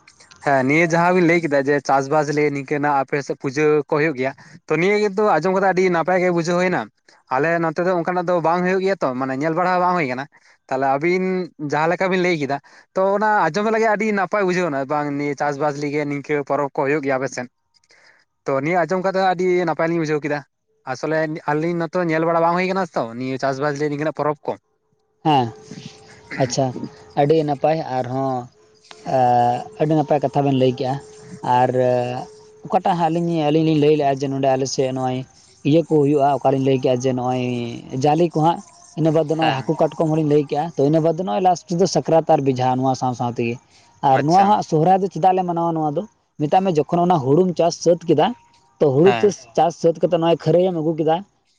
ᱦᱮᱸ ᱱᱤᱭᱟᱹ ᱡᱟᱦᱟᱸᱵᱤᱱ ᱞᱟᱹᱭ ᱠᱮᱫᱟ ᱡᱮ ᱪᱟᱥ ᱵᱟᱥ ᱱᱤᱭᱮ ᱱᱤᱝᱠᱟᱹᱱᱟᱜ ᱟᱯᱮ ᱥᱮᱫ ᱯᱩᱡᱟᱹ ᱠᱚ ᱦᱩᱭᱩᱜ ᱜᱮᱭᱟ ᱛᱚ ᱱᱤᱭᱟᱹ ᱜᱮᱛᱩ ᱟᱸᱡᱚᱢ ᱠᱟᱛᱮ ᱟᱹᱰᱤ ᱱᱟᱯᱟᱭ ᱜᱮ ᱵᱩᱡᱷᱟᱹᱣ ᱦᱩᱭᱮᱱᱟ ᱟᱞᱮ ᱱᱚᱛᱮ ᱫᱚ ᱚᱱᱠᱟᱱᱟᱜ ᱫᱚ ᱵᱟᱝ ᱦᱩᱭᱩᱜ ᱜᱮᱭᱟ ᱛᱚ ᱢᱟᱱᱮ ᱧᱮᱞ ᱵᱟᱲᱟ ᱵᱟᱝ ᱦᱩᱭ ᱠᱟᱱᱟ ᱛᱟᱦᱚᱞᱮ ᱟᱹᱵᱤᱱ ᱡᱟᱦᱟᱸ ᱞᱮᱠᱟ ᱵᱤᱱ ᱞᱟᱹᱭ ᱠᱮᱫᱟ ᱼᱼ ᱛᱚ ᱚᱱᱟ ᱟᱸᱡᱚᱢ ᱞᱟᱹᱜᱤᱫ ᱟᱹᱰᱤ ᱱᱟᱯᱟᱭ ᱵᱩᱡᱷᱟᱹᱣ ᱮᱱᱟ ᱵᱟᱝ ᱱᱤᱭᱟᱹ ᱪᱟᱥᱵᱟᱥ ᱞᱟᱹᱜᱤᱫ ᱱᱤᱝᱠᱟᱹ ᱯᱚᱨᱚᱵᱽ ᱠᱚ ᱦᱩᱭᱩᱜ ᱜᱮᱭᱟ ᱟᱯᱮ ᱥᱮᱱ [inaudible] ᱛᱚ ᱱᱤᱭᱟᱹ ᱟᱸᱡᱚᱢ ᱠᱟᱛᱮᱫ ᱟᱹᱰᱤ ᱱᱟᱯᱟᱭ ᱞᱤᱧ ᱵᱩᱡᱷᱟᱹᱣ ᱠᱮᱫᱟ ᱟᱥᱚᱞᱮ ᱟᱹᱞᱤᱧ ᱢᱟᱛᱚ ᱧᱮᱞ ᱵᱟᱲᱟ ᱵᱟᱝ ᱦᱩᱭ ᱟᱠᱟᱱᱟ ᱛᱚ ᱱᱤᱭᱟᱹ ᱪᱟᱥᱵᱟᱥ ᱞᱟᱹᱭ ᱛᱤᱠᱤᱱ ᱟᱜ ᱯᱚᱨᱚᱵᱽ ᱠᱚ ᱦᱮᱸ ᱟᱪᱪᱷᱟ ᱟᱹᱰᱤ ᱱᱟᱯᱟᱭ ᱟᱨᱦᱚᱸ ᱟᱹᱰᱤ ᱱᱟᱯᱟᱭ ᱠᱟᱛᱷᱟ ᱵᱮᱱ ᱞᱟᱹᱭ ᱠᱮᱜᱼᱟ ᱟᱨ ᱚᱠᱟ ᱟᱞᱤᱧ ᱞᱟᱹᱭ ᱞᱮᱫ-ᱟ ᱡᱮ ᱱᱚᱰᱮ ᱟᱞᱮᱥᱮᱫ ᱥᱮ ᱱᱚᱜᱼᱚᱭ ᱤᱭᱟᱹ ᱠᱚ ᱦᱩᱭᱩᱜᱼᱟ ᱚᱠᱟᱨᱮᱤᱧ ᱞᱟᱹᱭ ᱠᱮᱜᱼᱟ ᱡᱮ ᱱᱚᱜᱼᱚᱭ ᱡᱟᱞᱮ ᱠᱚ ᱦᱟᱸᱜ ᱤᱱᱟᱹ ᱵᱟᱫ ᱫᱚ ᱱᱦᱟᱜ ᱦᱮᱸ ᱠᱟᱴᱠᱚᱢ ᱦᱸᱚᱞᱤᱧ ᱞᱟᱹᱭ ᱠᱮᱜ ᱟ ᱛᱚ ᱤᱱᱟᱹ ᱵᱟᱫ ᱱᱚᱜ ᱞᱟᱥᱴ ᱥᱩᱫᱩ ᱥᱟᱠᱨᱟᱛ ᱟᱨ ᱵᱤᱡᱷᱟ ᱱᱚᱣᱟ ᱥᱟᱶ ᱥᱟᱶ ᱛᱮᱜᱮ ᱟᱨ ᱱᱚᱣᱟ ᱟᱪᱪᱷᱟ ᱦᱟᱜ ᱥᱚᱦᱨᱟᱭ ᱫᱚ ᱪᱮᱫᱟᱜ ᱞᱮ ᱢᱟᱱᱟᱣᱟ ᱱᱚᱣᱟ ᱫᱚ ᱢᱮᱛᱟᱜ ᱢᱮ ᱡᱚᱠᱷᱚᱱ ᱚᱱᱟ ᱦᱩᱲᱩᱢ ᱪᱟᱥ ᱥᱟᱹᱛ ᱠᱮᱫᱟ ᱛᱚ ᱦᱩᱲᱩ ᱦᱮᱸ ᱪᱟᱥ ᱪᱟᱥ ᱥᱟᱹᱛ ᱠᱟᱛᱮᱜ ᱱᱚᱜᱚᱭ ᱠᱷᱟᱹᱨᱟᱹᱭ ᱮᱢ ᱟᱹᱜᱩ ᱠᱮᱫᱟ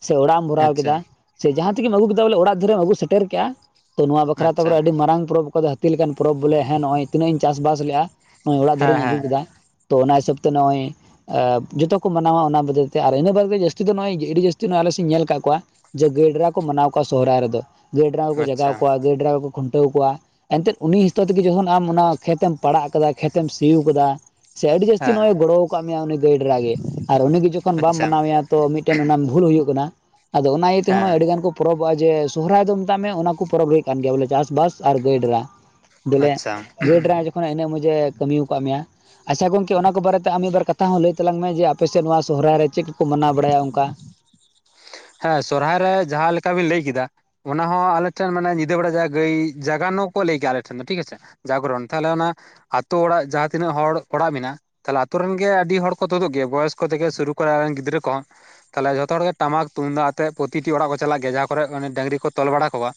ᱥᱮ ᱚᱲᱟᱜ ᱮᱢ ᱵᱷᱚᱨᱟᱣ ᱟᱪᱪᱷᱟ ᱠᱮᱫᱟ᱾ ᱥᱮ ᱡᱟᱦᱟᱸ ᱛᱜᱮᱢ ᱟᱹᱜᱩ ᱠᱮᱫᱟ ᱵᱚᱞᱮ ᱚᱲᱟᱜ ᱫᱷᱟᱨᱤᱡ ᱮᱢ ᱟᱹᱜᱩ ᱥᱮᱴᱮᱨ ᱠᱮᱜᱼᱟ ᱛᱚ ᱱᱚᱣᱟ ᱵᱟᱠᱷᱨᱟ ᱛᱮ ᱟᱪᱪᱷᱟ ᱟᱹᱰᱤ ᱢᱟᱨᱟᱝ ᱯᱚᱨᱚᱵᱽ ᱠᱚ ᱡᱟᱹᱛᱤ ᱞᱮᱠᱟᱱ ᱯᱚᱨᱚᱵᱽ ᱵᱚᱞᱮ ᱱᱚᱜᱚᱭ ᱛᱤᱱᱟᱹᱜ ᱤᱧ ᱪᱟᱥ ᱵᱟᱥ ᱞᱮᱜᱼᱟ ᱱᱚᱜᱚᱭ ᱚᱲᱟᱜ ᱦᱮᱸ ᱫᱷᱟᱨᱤᱡ ᱟᱹᱜᱩ ᱦᱮᱸ ᱠᱮᱫᱟ ᱛᱚ ᱚᱱᱟ ᱦᱤᱥᱟᱹᱵ ᱛᱮ ᱱᱚᱜ ᱚᱭ ᱡᱚᱛᱚ ᱠᱚ ᱢᱟᱱᱟᱣᱟ ᱚᱱᱟ ᱵᱚᱫᱚᱞ ᱛᱮ ᱟᱨ ᱤᱱᱟᱹ ᱵᱟᱫ ᱛᱮ ᱡᱟᱹᱥᱛᱤ ᱫᱚ ᱱᱚᱜᱼᱚᱭ ᱟᱹᱰᱤ ᱡᱟᱹᱥᱛᱤ ᱱᱚᱜᱚᱭ ᱟᱞᱮ ᱥᱮᱫ ᱧᱮᱞ ᱠᱟᱜ ᱠᱚᱣᱟ ᱡᱮ ᱜᱟᱹᱭ ᱰᱨᱟ ᱠᱚ ᱢᱟᱱᱟᱣ ᱠᱚᱣᱟ ᱥᱚᱦᱨᱟᱭ ᱨᱮᱫᱚ ᱜᱰᱨᱟ ᱠᱚᱠᱚ ᱡᱟᱜᱟᱣ ᱟᱪᱪᱷᱟ ᱠᱚᱣᱟ ᱜᱰᱨᱟ ᱠᱚ ᱠᱷᱩᱱᱴᱟᱹᱣ ᱠᱚᱣᱟ ᱮᱱᱛᱮᱫ ᱩᱱᱤ ᱦᱤᱥᱛᱟᱹᱣ ᱛᱮ ᱜᱮ ᱡᱚᱠᱷᱚᱱ ᱟᱢ ᱚᱱᱟ ᱠᱷᱮᱛ ᱮᱢ ᱯᱟᱲᱟᱜ ᱟᱠᱟᱫᱟ ᱠᱷᱮᱛ ᱮᱢ ᱥᱤ ᱠᱟᱫᱟ᱾ ᱥᱮ ᱟᱰᱤ ᱡᱟᱥᱛᱤ ᱦᱮᱸ ᱱᱚᱜᱚᱭ ᱜᱚᱲᱚᱣ ᱟᱠᱟᱫ ᱢᱮᱭᱟᱤ ᱱᱚᱜᱚᱭ ᱜᱟᱹᱭᱰᱨᱟ ᱜᱮ ᱟᱨ ᱩᱱᱤᱜᱮ ᱡᱚᱠᱷᱚᱱ ᱵᱟᱢ ᱟᱪᱪᱷᱟ ᱢᱟᱱᱟᱣᱮᱭᱟ ᱛᱚ ᱢᱤᱫᱴᱮᱱ ᱚᱱᱟ ᱵᱷᱩᱞ ᱦᱩᱭᱩᱜ ᱠᱟᱱᱟ ᱟᱫᱚ ᱚᱱᱟ ᱤᱭᱟᱹ ᱛᱮ ᱦᱚᱸᱜ ᱚᱭ ᱦᱮᱸ ᱟᱹᱰᱤ ᱜᱟᱱ ᱠᱚ ᱯᱚᱨᱚᱵᱚᱜᱼᱟ ᱡᱮ ᱥᱚᱦᱨᱟᱭ ᱫᱚ ᱢᱮᱛᱟᱜ ᱢᱮ ᱚᱱᱟ ᱠᱚ ᱯᱚᱨᱚᱵᱽ ᱦᱩᱭᱩᱜ ᱠᱟᱱ ᱜᱮᱭᱟ ᱵᱚᱞᱮ ᱪᱟᱥᱵᱟᱥ ᱟᱨ ᱜᱟᱹᱭᱰᱮᱨᱟ ᱫᱚᱞᱮ ᱟᱪᱪᱷᱟ ᱜᱟᱹᱭᱰᱮᱨᱟ ᱡᱚᱠᱷᱚᱱ ᱤᱱᱟᱹᱜ ᱢᱚᱡ ᱮ ᱠᱟᱹᱢᱤ ᱟᱠᱟᱫ ᱢᱮᱭᱟ ᱟᱪᱷᱟ ᱜᱚᱝᱠᱮ ᱚᱱᱟ ᱠᱚ ᱵᱟᱨᱮᱛᱮ ᱟᱢ ᱢᱤᱫᱵᱟᱨ ᱠᱟᱛᱷᱟ ᱦᱚᱸ ᱞᱟᱹᱭ ᱛᱟᱞᱟᱝ ᱢᱮ ᱡᱮ ᱟᱯᱮᱥᱮᱫ ᱱᱚᱣᱟ ᱥᱚᱦᱨᱟᱭ ᱨᱮ ᱪᱮᱫ ᱠᱚᱠᱚ ᱢᱟᱱᱟᱣ ᱵᱟᱲᱟᱭᱟ ᱚᱱᱠᱟ ᱦᱮᱸ ᱥᱚᱨᱦᱟᱭ ᱨᱮ ᱡᱟᱦᱟᱸ ᱞᱮᱠᱟ ᱵᱤᱱ ᱞᱟᱹᱭ ᱠᱮᱫᱟ ᱚᱱᱟ ᱦᱚᱸ ᱟᱞᱮ ᱴᱷᱮᱱ ᱢᱟᱱᱮ ᱧᱤᱫᱟᱹ ᱵᱮᱲᱟ ᱜᱟᱹᱭ ᱡᱟᱜᱟᱱᱳ ᱠᱚ ᱞᱟᱹᱭ ᱜᱮᱭᱟ ᱟᱞᱮ ᱴᱷᱮᱱ ᱫᱚ ᱴᱷᱤᱠ ᱟᱪᱷᱮ ᱡᱟᱜᱽᱨᱚᱱ ᱛᱟᱦᱚᱞᱮ ᱚᱱᱟ ᱟᱹᱛᱩᱳ ᱚᱲᱟᱜ ᱡᱟᱦᱟᱸ ᱛᱤᱱᱟᱹᱜ ᱦᱚᱲ ᱚᱲᱟᱜ ᱢᱮᱱᱟᱜ-ᱟ᱾ ᱛᱟᱦᱚᱞᱮ ᱟᱛᱳ ᱨᱮᱱ ᱜᱮ ᱟᱹᱰᱤ ᱦᱚᱲ ᱠᱚ ᱛᱩᱫᱩᱜ ᱜᱮᱭᱟ ᱵᱚᱭᱚᱥ ᱠᱚ ᱛᱮᱜᱮ ᱥᱩᱨᱩ ᱠᱚᱨᱮ ᱮᱱ ᱜᱤᱫᱽᱨᱟᱹ ᱠᱚᱦᱚᱸ ᱛᱟᱦᱚᱞᱮ ᱡᱚᱛᱚ ᱦᱚᱲ ᱜᱮ ᱴᱟᱢᱟᱠ ᱛᱩᱢᱫᱟᱜ ᱟᱛᱮᱜ ᱯᱨᱚᱛᱤᱴᱤ ᱚᱲᱟᱜ ᱠᱚ ᱪᱟᱞᱟᱜᱼᱟ ᱜᱮᱭᱟ ᱠᱚᱨᱮ ᱢᱟᱱᱮ ᱰᱟᱝᱨᱤ ᱠᱚ ᱛᱚᱞ ᱵᱟᱲᱟ ᱠᱚᱣᱟ᱾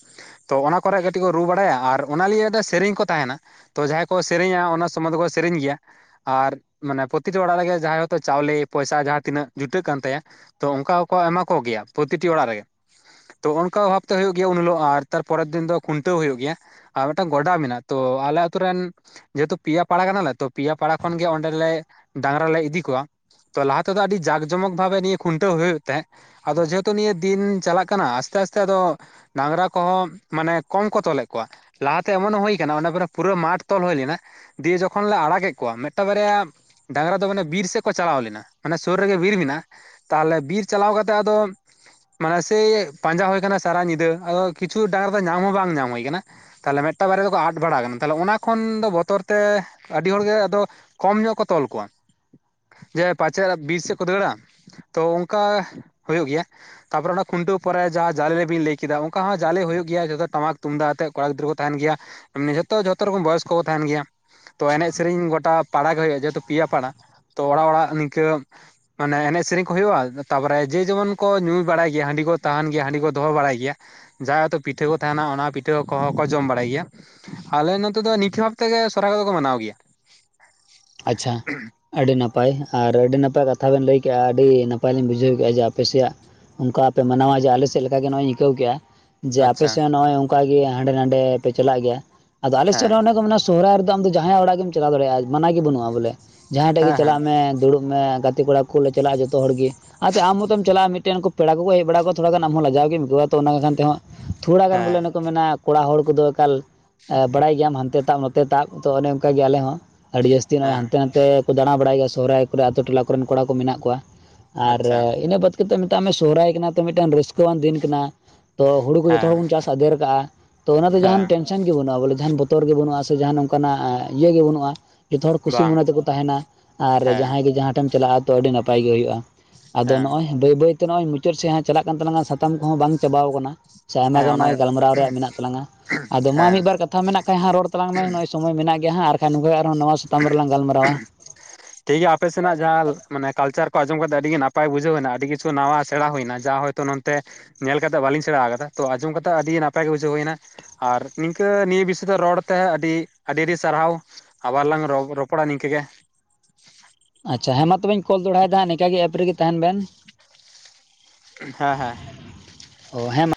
ᱛᱚ ᱚᱱᱟ ᱠᱚᱨᱮᱜ ᱠᱟᱹᱴᱤᱡ ᱠᱚ ᱨᱩ ᱵᱟᱲᱟᱭᱟ ᱟᱨ ᱚᱱᱟ ᱱᱤᱭᱟᱹ ᱛᱮ ᱥᱮᱨᱮᱧ ᱠᱚ ᱛᱟᱦᱮᱱᱟ ᱛᱚ ᱡᱟᱦᱟᱸᱭ ᱠᱚ ᱥᱮᱨᱮᱧᱟ ᱚᱱᱟ ᱥᱚᱢᱚᱭ ᱫᱚᱠᱚ ᱥᱮᱨᱮᱧ ᱜᱮᱭᱟ ᱟᱨ ᱢᱟᱱᱮ ᱯᱨᱚᱛᱤᱴᱤ ᱚᱲᱟᱜ ᱨᱮᱜᱮ ᱡᱟᱦᱟᱸᱭ ᱦᱚᱛᱳ ᱪᱟᱣᱞᱮ ᱯᱚᱭᱥᱟ ᱡᱟᱦᱟᱸ ᱛᱤᱱᱟᱹᱜ ᱡᱩᱴᱟᱹᱜ ᱠᱟᱱ ᱛᱟᱭᱟ ᱛᱚ ᱚᱱᱠᱟ ᱦᱚᱸᱠᱚ ᱮᱢᱟ ᱠᱚᱜᱮᱭᱟ ᱯᱨᱚᱛᱤᱴᱤ ᱚᱲᱟᱜ ᱨᱮᱜᱮ ᱛᱚ ᱚᱱᱠᱟ ᱚᱵᱷᱟᱵ ᱛᱮ ᱦᱩᱭᱩᱜᱳ ᱜᱮᱭᱟ ᱩᱱ ᱦᱤᱞᱳᱜ ᱟᱨ ᱛᱟᱨᱯᱚᱨᱮᱨ ᱫᱤᱱ ᱫᱚ ᱠᱷᱩᱱᱴᱟᱹᱣ ᱦᱩᱭᱩᱜ ᱜᱮᱭᱟ ᱟᱨ ᱢᱤᱫᱴᱟᱝ ᱜᱚᱰᱟ ᱢᱮᱱᱟᱜ- ᱟ ᱛᱚ ᱟᱞᱮ ᱟᱛᱩ ᱨᱮᱱ ᱡᱮᱦᱮᱛᱩ ᱯᱮᱭᱟ ᱯᱟᱲᱟ ᱠᱟᱱᱟᱞᱮ ᱛᱚ ᱯᱮᱭᱟ ᱯᱟᱲᱟ ᱠᱷᱚᱱᱜᱮ ᱚᱸᱰᱮᱞᱮ ᱰᱟᱝᱨᱟ ᱞᱮ ᱤᱫᱤ ᱠᱚᱣᱟ ᱛᱚ ᱞᱟᱦᱟᱮᱫᱚ ᱟᱹᱰᱤ ᱡᱟᱠ ᱡᱚᱢᱚᱠ ᱵᱷᱟᱵᱮ ᱱᱤᱭᱟᱹ ᱠᱷᱩᱱᱴᱟᱹᱣ ᱦᱩᱭᱩᱜ ᱛᱟᱦᱮᱸᱜ ᱟᱫᱚ ᱡᱮᱦᱮᱛᱩ ᱱᱤᱭᱟᱹ ᱫᱤᱱ ᱪᱟᱞᱟᱜ ᱠᱟᱱᱟ ᱟᱥᱛᱮ ᱟᱥᱛᱮ ᱟᱫᱚ ᱰᱟᱝᱨᱟ ᱠᱚᱦᱚᱸ ᱢᱟᱱᱮ ᱠᱚᱢ ᱠᱚ ᱛᱚᱞᱮᱫ ᱠᱚᱣᱟ ᱞᱟᱦᱟᱛᱮ ᱮᱢᱚᱱ ᱦᱚᱸ ᱦᱩᱭ ᱟᱠᱟᱱᱟ ᱚᱱᱟ ᱯᱚᱨᱮ ᱯᱩᱨᱟᱹ ᱢᱟᱴᱷ ᱛᱚᱞ ᱦᱩᱭ ᱞᱮᱱᱟ᱾᱾ ᱫᱤᱭᱮ ᱡᱚᱠᱷᱚᱱ ᱞᱮ ᱟᱲᱟᱜᱮᱫ ᱠᱚᱣᱟ ᱢᱮᱫᱴᱟᱝ ᱵᱟᱨᱮᱭᱟ ᱰᱟᱝᱨᱟ ᱫᱚ ᱢᱟᱱᱮ ᱵᱤᱨ ᱥᱮᱫ ᱠᱚ ᱪᱟᱞᱟᱣ ᱞᱮᱱᱟ ᱢᱟᱱᱮ ᱥᱩᱨ ᱨᱮᱜᱮ ᱵᱤᱨ ᱢᱮᱱᱟᱜᱼᱟ ᱛᱟᱦᱚᱞᱮ ᱵᱤᱨ ᱪᱟᱞᱟᱣ ᱠᱟᱛᱮ ᱟᱫᱚ ᱢᱟᱱᱮ ᱥᱮ ᱯᱟᱸᱡᱟ ᱦᱩᱭ ᱟᱠᱟᱱᱟ ᱥᱟᱨᱟ ᱧᱤᱫᱟᱹ ᱟᱫᱚ ᱠᱤᱪᱷᱩ ᱰᱟᱝᱨᱟ ᱫᱚ ᱧᱟᱢ ᱦᱚᱸ ᱵᱟᱝ ᱧᱟᱢ ᱦᱩᱭ ᱟᱠᱟᱱᱟ ᱾ ᱛᱟᱦᱚᱞᱮ ᱢᱤᱫᱴᱟᱝ ᱵᱟᱨᱮᱭᱟ ᱫᱚᱠᱚ ᱟᱫ ᱵᱟᱲᱟ ᱠᱟᱱᱟ, ᱛᱟᱦᱚᱞᱮ ᱚᱱᱟ ᱠᱷᱚᱱ ᱫᱚ ᱵᱚᱛᱚᱨ ᱛᱮ ᱟᱹᱰᱤ ᱦᱚᱲᱜᱮ ᱟᱫᱚ ᱠᱚᱢ ᱧᱚᱜ ᱠᱚ ᱛᱚᱞ ᱠᱚᱣᱟ, ᱡᱮ ᱯᱟᱪᱷᱮᱫ ᱵᱤᱨ ᱥᱮᱫ ᱠᱚ ᱫᱟᱹᱲᱟ ᱾ ᱛᱚ ᱚᱱᱠᱟ ᱦᱩᱭᱩᱜ ᱜᱮᱭᱟ ᱛᱟᱯᱚᱨᱮ ᱚᱱᱟ ᱠᱷᱩᱱᱴᱟᱹᱣ ᱯᱚᱨᱮ ᱡᱟᱦᱟᱸ ᱡᱟᱞᱮᱵᱤᱱ ᱞᱟᱹᱭ ᱠᱮᱫᱟ, ᱚᱱᱠᱟ ᱦᱚᱸ ᱡᱟᱞᱮ ᱦᱩᱭᱩᱜ ᱜᱮᱭᱟ ᱡᱚᱛᱚ ᱴᱟᱢᱟᱠ ᱛᱩᱢᱫᱟᱜ ᱟᱛᱮᱜ ᱠᱚᱲᱟ ᱜᱤᱫᱽᱨᱟᱹ ᱠᱚ ᱛᱟᱦᱮᱱ ᱜᱮᱭᱟ ᱾ ᱮᱢᱱᱤ ᱡᱷᱚᱛᱚ ᱡᱷᱚᱛᱚ, ᱨᱚᱠᱚᱢ ᱵᱚᱭᱚᱥ ᱠᱚ ᱠᱚ ᱛᱟᱦᱮᱱ ᱜᱮᱭᱟ ᱾ ᱛᱚ ᱮᱱᱮᱡᱽ ᱥᱮᱨᱮᱧ ᱜᱚᱴᱟ ᱯᱟᱲᱟ ᱜᱮ ᱦᱩᱭᱩᱜᱼᱟ, ᱡᱮᱦᱮᱛᱩ ᱯᱮᱭᱟ ᱯᱟᱲᱟ, ᱛᱚ ᱚᱲᱟᱜ ᱚᱲᱟᱜ ᱱᱤᱝᱠᱟᱹ ᱢᱟᱱᱮ ᱮᱱᱮᱡᱽ ᱥᱮᱨᱮᱧ ᱠᱚ ᱦᱩᱭᱩᱜᱼᱟ? ᱛᱟᱯᱚᱨᱮ ᱡᱮ ᱡᱮᱢᱚᱱ ᱠᱚ ᱧᱩᱭ ᱵᱟᱲᱟᱭ ᱜᱮᱭᱟ ᱦᱟᱺᱰᱤ ᱠᱚ ᱛᱟᱦᱮᱱ ᱜᱮᱭᱟ ᱦᱟᱺᱰᱤ ᱠᱚ ᱫᱚᱦᱚ ᱵᱟᱲᱟᱭ ᱜᱮᱭᱟ᱾ ᱡᱟᱭᱦᱛᱩ ᱯᱤᱴᱷᱟᱹ ᱠᱚ ᱛᱟᱦᱮᱱᱟ ᱚᱱᱟ ᱯᱤᱴᱷᱟᱹ ᱠᱚᱦᱚᱸ ᱠᱚ ᱡᱚᱢ ᱵᱟᱲᱟᱭ ᱜᱮᱭᱟ᱾ ᱟᱞᱮ ᱱᱚᱛᱮ ᱫᱚ ᱱᱤᱸᱠᱟᱹ ᱵᱷᱟᱵ ᱛᱮᱜᱮ ᱥᱚᱦᱨᱟᱭ ᱠᱚ ᱫᱚᱠᱚ ᱢᱟᱱᱟᱣ ᱜᱮᱭᱟ ᱟᱪᱪᱷᱟ ᱟᱹᱰᱤ ᱱᱟᱯᱟᱭ ᱟᱨ ᱟᱹᱰᱤ ᱱᱟᱯᱟᱭ ᱠᱟᱛᱷᱟ ᱵᱮᱱ ᱞᱟᱹᱭ ᱠᱮᱜᱼᱟ, ᱟᱹᱰᱤ ᱱᱟᱯᱟᱭ ᱞᱤᱧ ᱵᱩᱡᱷᱟᱹᱣ ᱠᱮᱫᱼᱟ ᱡᱮ ᱟᱯᱮᱥᱮᱭᱟᱜ- ᱚᱱᱠᱟ ᱯᱮ ᱢᱟᱱᱟᱣᱟ ᱡᱮ ᱟᱞᱮ ᱥᱮᱫ ᱞᱮᱠᱟ ᱜᱮ ᱱᱚᱜᱼᱚᱭ ᱤᱧ ᱟᱹᱭᱠᱟᱹᱣ ᱠᱮᱜᱼᱟ ᱾ ᱡᱮ ᱟᱪᱪᱷᱟ ᱟᱯᱮᱥᱮᱫ ᱦᱚᱸ ᱱᱚᱜ ᱚᱭ ᱚᱱᱠᱟ ᱜᱮ, ᱦᱟᱸᱰᱮ ᱱᱟᱸᱰᱮ ᱯᱮ ᱪᱟᱞᱟᱜ ᱜᱮᱭᱟ ᱟᱫᱚ ᱟᱞᱮᱥᱮᱫ ᱦᱮᱸ ᱨᱮ ᱦᱚᱸ ᱚᱱᱮ ᱠᱚ ᱢᱮ- ᱥᱚᱦᱚᱨᱟᱭ ᱨᱮᱫᱚ ᱟᱢᱫᱚ ᱡᱟᱦᱟᱸᱭᱟᱜ ᱚᱲᱟᱜ ᱜᱮᱢ ᱪᱟᱞᱟᱣ ᱫᱟᱲᱮᱭᱟᱜᱼᱟ, ᱢᱟᱱᱟ ᱜᱮ ᱵᱟᱹᱱᱩᱜ-ᱟ ᱵᱚᱞᱮ ᱾ ᱡᱟᱸᱦᱟᱭ ᱴᱷᱮᱫ ᱜᱮ ᱦᱮᱸ ᱦᱮᱸ ᱪᱟᱞᱟᱜ ᱢᱮ ᱫᱩᱲᱩᱵ- ᱢᱮ, ᱜᱟᱛᱮ ᱠᱚᱲᱟ ᱠᱚᱞᱮ ᱪᱟᱞᱟᱜᱼᱟ ᱡᱚᱛᱚ ᱦᱚᱲ ᱜᱤ ᱾ ᱟᱛᱮ ᱟᱢ ᱢᱚᱛᱚᱢ ᱪᱟᱞᱟᱜᱼᱟ ᱢᱤᱫᱴᱮᱱ ᱩᱱᱠᱩ, ᱯᱮᱲᱟ ᱠᱚᱠᱚ ᱦᱮᱡ ᱵᱟᱲᱟ ᱠᱚᱜ ᱛᱷᱚᱲᱟᱜᱟᱱ ᱟᱢᱦᱚᱸ ᱞᱟᱡᱟᱣᱜᱮᱢ ᱵᱩᱡᱷᱟᱹᱣᱟ ᱛᱚ ᱚᱱᱟ ᱠᱷᱟᱱ ᱛᱮᱦᱚᱸ- ᱛᱷᱚᱲᱟ ᱜᱟᱱ ᱵᱚᱞᱮ ᱦᱮᱸ ᱚᱱᱮ ᱠᱚ ᱢᱮᱱᱟ ᱠᱚᱲᱟ ᱦᱚᱲ ᱠᱚᱫᱚ ᱮᱠᱟᱞ ᱮᱸ, ᱵᱟᱲᱟᱭ ᱜᱮᱭᱟᱢ ᱦᱟᱱᱛᱮ ᱛᱟᱵ ᱱᱚᱛᱮ- ᱛᱮ ᱛᱟ ᱛᱚ ᱚᱱᱮ ᱚᱱᱠᱟ ᱜᱮ ᱟᱞᱮ ᱦᱚᱸ ᱟᱹᱰᱤ ᱡᱟᱹᱥᱛᱤ ᱱᱚᱜᱼᱚᱭ ᱦᱮᱸ ᱦᱟᱱᱛᱮ ᱱᱟᱛᱮ- ᱛᱮᱠᱚ ᱫᱟᱸᱬᱟ ᱵᱟᱲᱟᱭ ᱜᱮᱭᱟ ᱥᱚᱦᱚᱨᱟᱭ ᱠᱚᱨᱮ, ᱟᱛᱩ ᱴᱚᱞᱟ ᱠᱚᱨᱮᱱ ᱠᱚᱲᱟ ᱠᱚ ᱢᱮᱱᱟᱜ ᱠᱚᱣᱟ ᱟᱨ ᱟᱪᱪᱷᱟ ᱤᱱᱟᱹ ᱵᱟᱫ ᱫᱚ- ᱢᱮᱛᱟᱜ ᱢᱮ ᱥᱚᱦᱚᱨᱟᱭ ᱠᱟᱱᱟ ᱛᱚ ᱢᱤᱫᱴᱟᱝ ᱨᱟᱹᱥᱠᱟᱹᱣᱟᱱ ᱫᱤᱱ ᱠᱟᱱᱟ ᱾ ᱛᱚ ᱦᱳᱲᱳ ᱠᱚ ᱡᱚᱛᱚ ᱦᱮᱸ ᱦᱚᱲ ᱵᱚᱱ ᱪᱟᱥ ᱟᱫᱮᱨ ᱠᱟᱜᱼᱟ, ᱛᱚ ᱚᱱᱟ ᱫᱚ ᱡᱟᱦᱟᱸᱱ ᱦᱮᱸ ᱴᱮᱱᱥᱮᱱ- ᱪᱮ ᱵᱟᱹᱱᱩᱜᱼᱟ ᱵᱚᱞᱮ ᱡᱟᱦᱟᱱ ᱵᱚᱛᱚᱨ ᱜᱮ ᱵᱟᱹᱱᱩᱜᱼᱟ, ᱥᱮ ᱡᱟᱸᱦᱟᱱ ᱱᱚᱝᱠᱟᱱᱟᱜ ᱤᱭᱟᱹ ᱜᱮ ᱵᱟᱹᱱᱩᱜᱼᱟ ᱾ ᱡᱚᱛᱚ ᱦᱚᱲ ᱠᱩᱥᱤ ᱵᱟᱝ ᱢᱚᱱᱮ ᱛᱮᱠᱚ ᱛᱟᱦᱮᱱᱟ ᱟᱨ ᱦᱮᱸ ᱡᱟᱦᱟᱸᱭ ᱜᱮ ᱡᱟᱦᱟᱸ ᱛᱮᱢ ᱪᱟᱞᱟᱜᱼᱟ ᱛᱚ ᱟᱹᱰᱤ ᱱᱟᱯᱟᱭ ᱜᱮ ᱦᱩᱭᱩᱜᱼᱟ ᱾ ᱟᱫᱚ ᱦᱮᱸ ᱱᱚᱜᱼᱚᱭ ᱵᱟᱹᱭ ᱵᱟᱹᱭᱛᱮ ᱱᱚᱜ-ᱚᱭ ᱢᱩᱪᱟᱹᱫ ᱥᱮᱫ ᱦᱟᱸᱜ, ᱪᱟᱞᱟᱜ ᱠᱟᱱ ᱛᱟᱞᱟᱝ ᱟ ᱥᱟᱛᱟᱢ ᱠᱚᱦᱚᱸ ᱵᱟᱝ ᱪᱟᱵᱟᱣ ᱠᱟᱱᱟ ᱾ ᱥᱮ ᱟᱭᱢᱟ ᱦᱮᱸ ᱜᱟᱱ ᱚᱱᱟ ᱱᱚᱜᱼᱚᱭ ᱜᱟᱞᱢᱟᱨᱟᱣ ᱨᱮᱭᱟᱜ ᱢᱮᱱᱟᱜ ᱛᱟᱞᱟᱝ ᱟ, ᱟᱫᱚ ᱢᱟ ᱦᱮᱸ ᱢᱤᱫ ᱵᱟᱨ ᱠᱟᱛᱷᱟ ᱢᱮᱱᱟᱜ ᱠᱷᱟᱱ ᱦᱟᱸᱜ ᱨᱚᱲ ᱛᱟᱞᱟᱝ ᱢᱮ ᱱᱚᱜ-ᱚᱭ ᱥᱚᱢᱚᱭ ᱢᱮᱱᱟᱜ ᱜᱮᱭᱟ ᱦᱟᱸᱜ ᱟᱨᱠᱷᱟᱱ ᱱᱚᱝᱠᱟ ᱟᱨᱦᱚᱸ ᱱᱚᱣᱟ ᱩᱷᱸ ᱩᱦᱩᱸᱜ ᱟ [unintelligible] ᱴᱷᱤᱠ ᱜᱮᱭᱟ ᱟᱯᱮ ᱥᱮᱱᱟᱜ ᱡᱟᱦᱟᱸ ᱢᱟᱱᱮ ᱠᱟᱞᱪᱟᱨ ᱠᱚ ᱟᱸᱡᱚᱢ ᱠᱟᱛᱮ ᱟᱹᱰᱤ ᱜᱮ, ᱱᱟᱯᱟᱭ ᱵᱩᱡᱷᱟᱹᱣᱮᱱᱟ ᱟᱹᱰᱤ ᱠᱤᱪᱷᱩ ᱱᱟᱣᱟ ᱥᱮᱸᱬᱟ ᱦᱩᱭᱱᱟ ᱡᱟᱦᱚᱭ ᱛᱚ ᱱᱚᱱᱛᱮ ᱧᱮᱞ ᱠᱟᱛᱮᱜ ᱵᱟᱹᱞᱤᱧ ᱥᱮᱬᱟ ᱟᱠᱟᱫᱟ ᱛᱚ ᱟᱸᱡᱚᱢ ᱠᱟᱛᱮᱜ ᱟᱹᱰᱤ ᱱᱟᱯᱟᱭ ᱜᱮ ᱵᱩᱡᱷᱟᱹᱣ ᱦᱩᱭᱱᱟ᱾ ᱟᱨ ᱱᱤᱝᱠᱟᱹ ᱱᱤᱭᱟᱹ ᱵᱤᱥᱚᱭ ᱛᱮ ᱨᱚᱲᱛᱮ ᱟᱹᱰᱤ ᱟᱹᱰᱤ ᱟᱹᱰᱤ ᱥᱟᱨᱦᱟᱣ᱾ ᱟᱵᱟᱨᱞᱟᱝ ᱨᱚ- ᱨᱚᱯᱚᱲᱟ ᱱᱤᱝᱠᱟᱹ ᱜᱮ᱾ ᱟᱪᱪᱷᱟ ᱦᱮᱸ ᱢᱟ ᱛᱚᱵᱮᱧ ᱠᱚᱞ ᱫᱚᱦᱚᱲᱟᱭ ᱫᱟ ᱦᱟᱸ ᱱᱤᱝᱠᱟᱹ ᱜᱮ ᱮᱯ ᱨᱮᱜᱮ ᱛᱟᱦᱮᱱ ᱵᱮᱱ᱾ ᱦᱮᱸ ᱦᱮᱸ ᱚ ᱦᱮᱸ ᱢᱟ᱾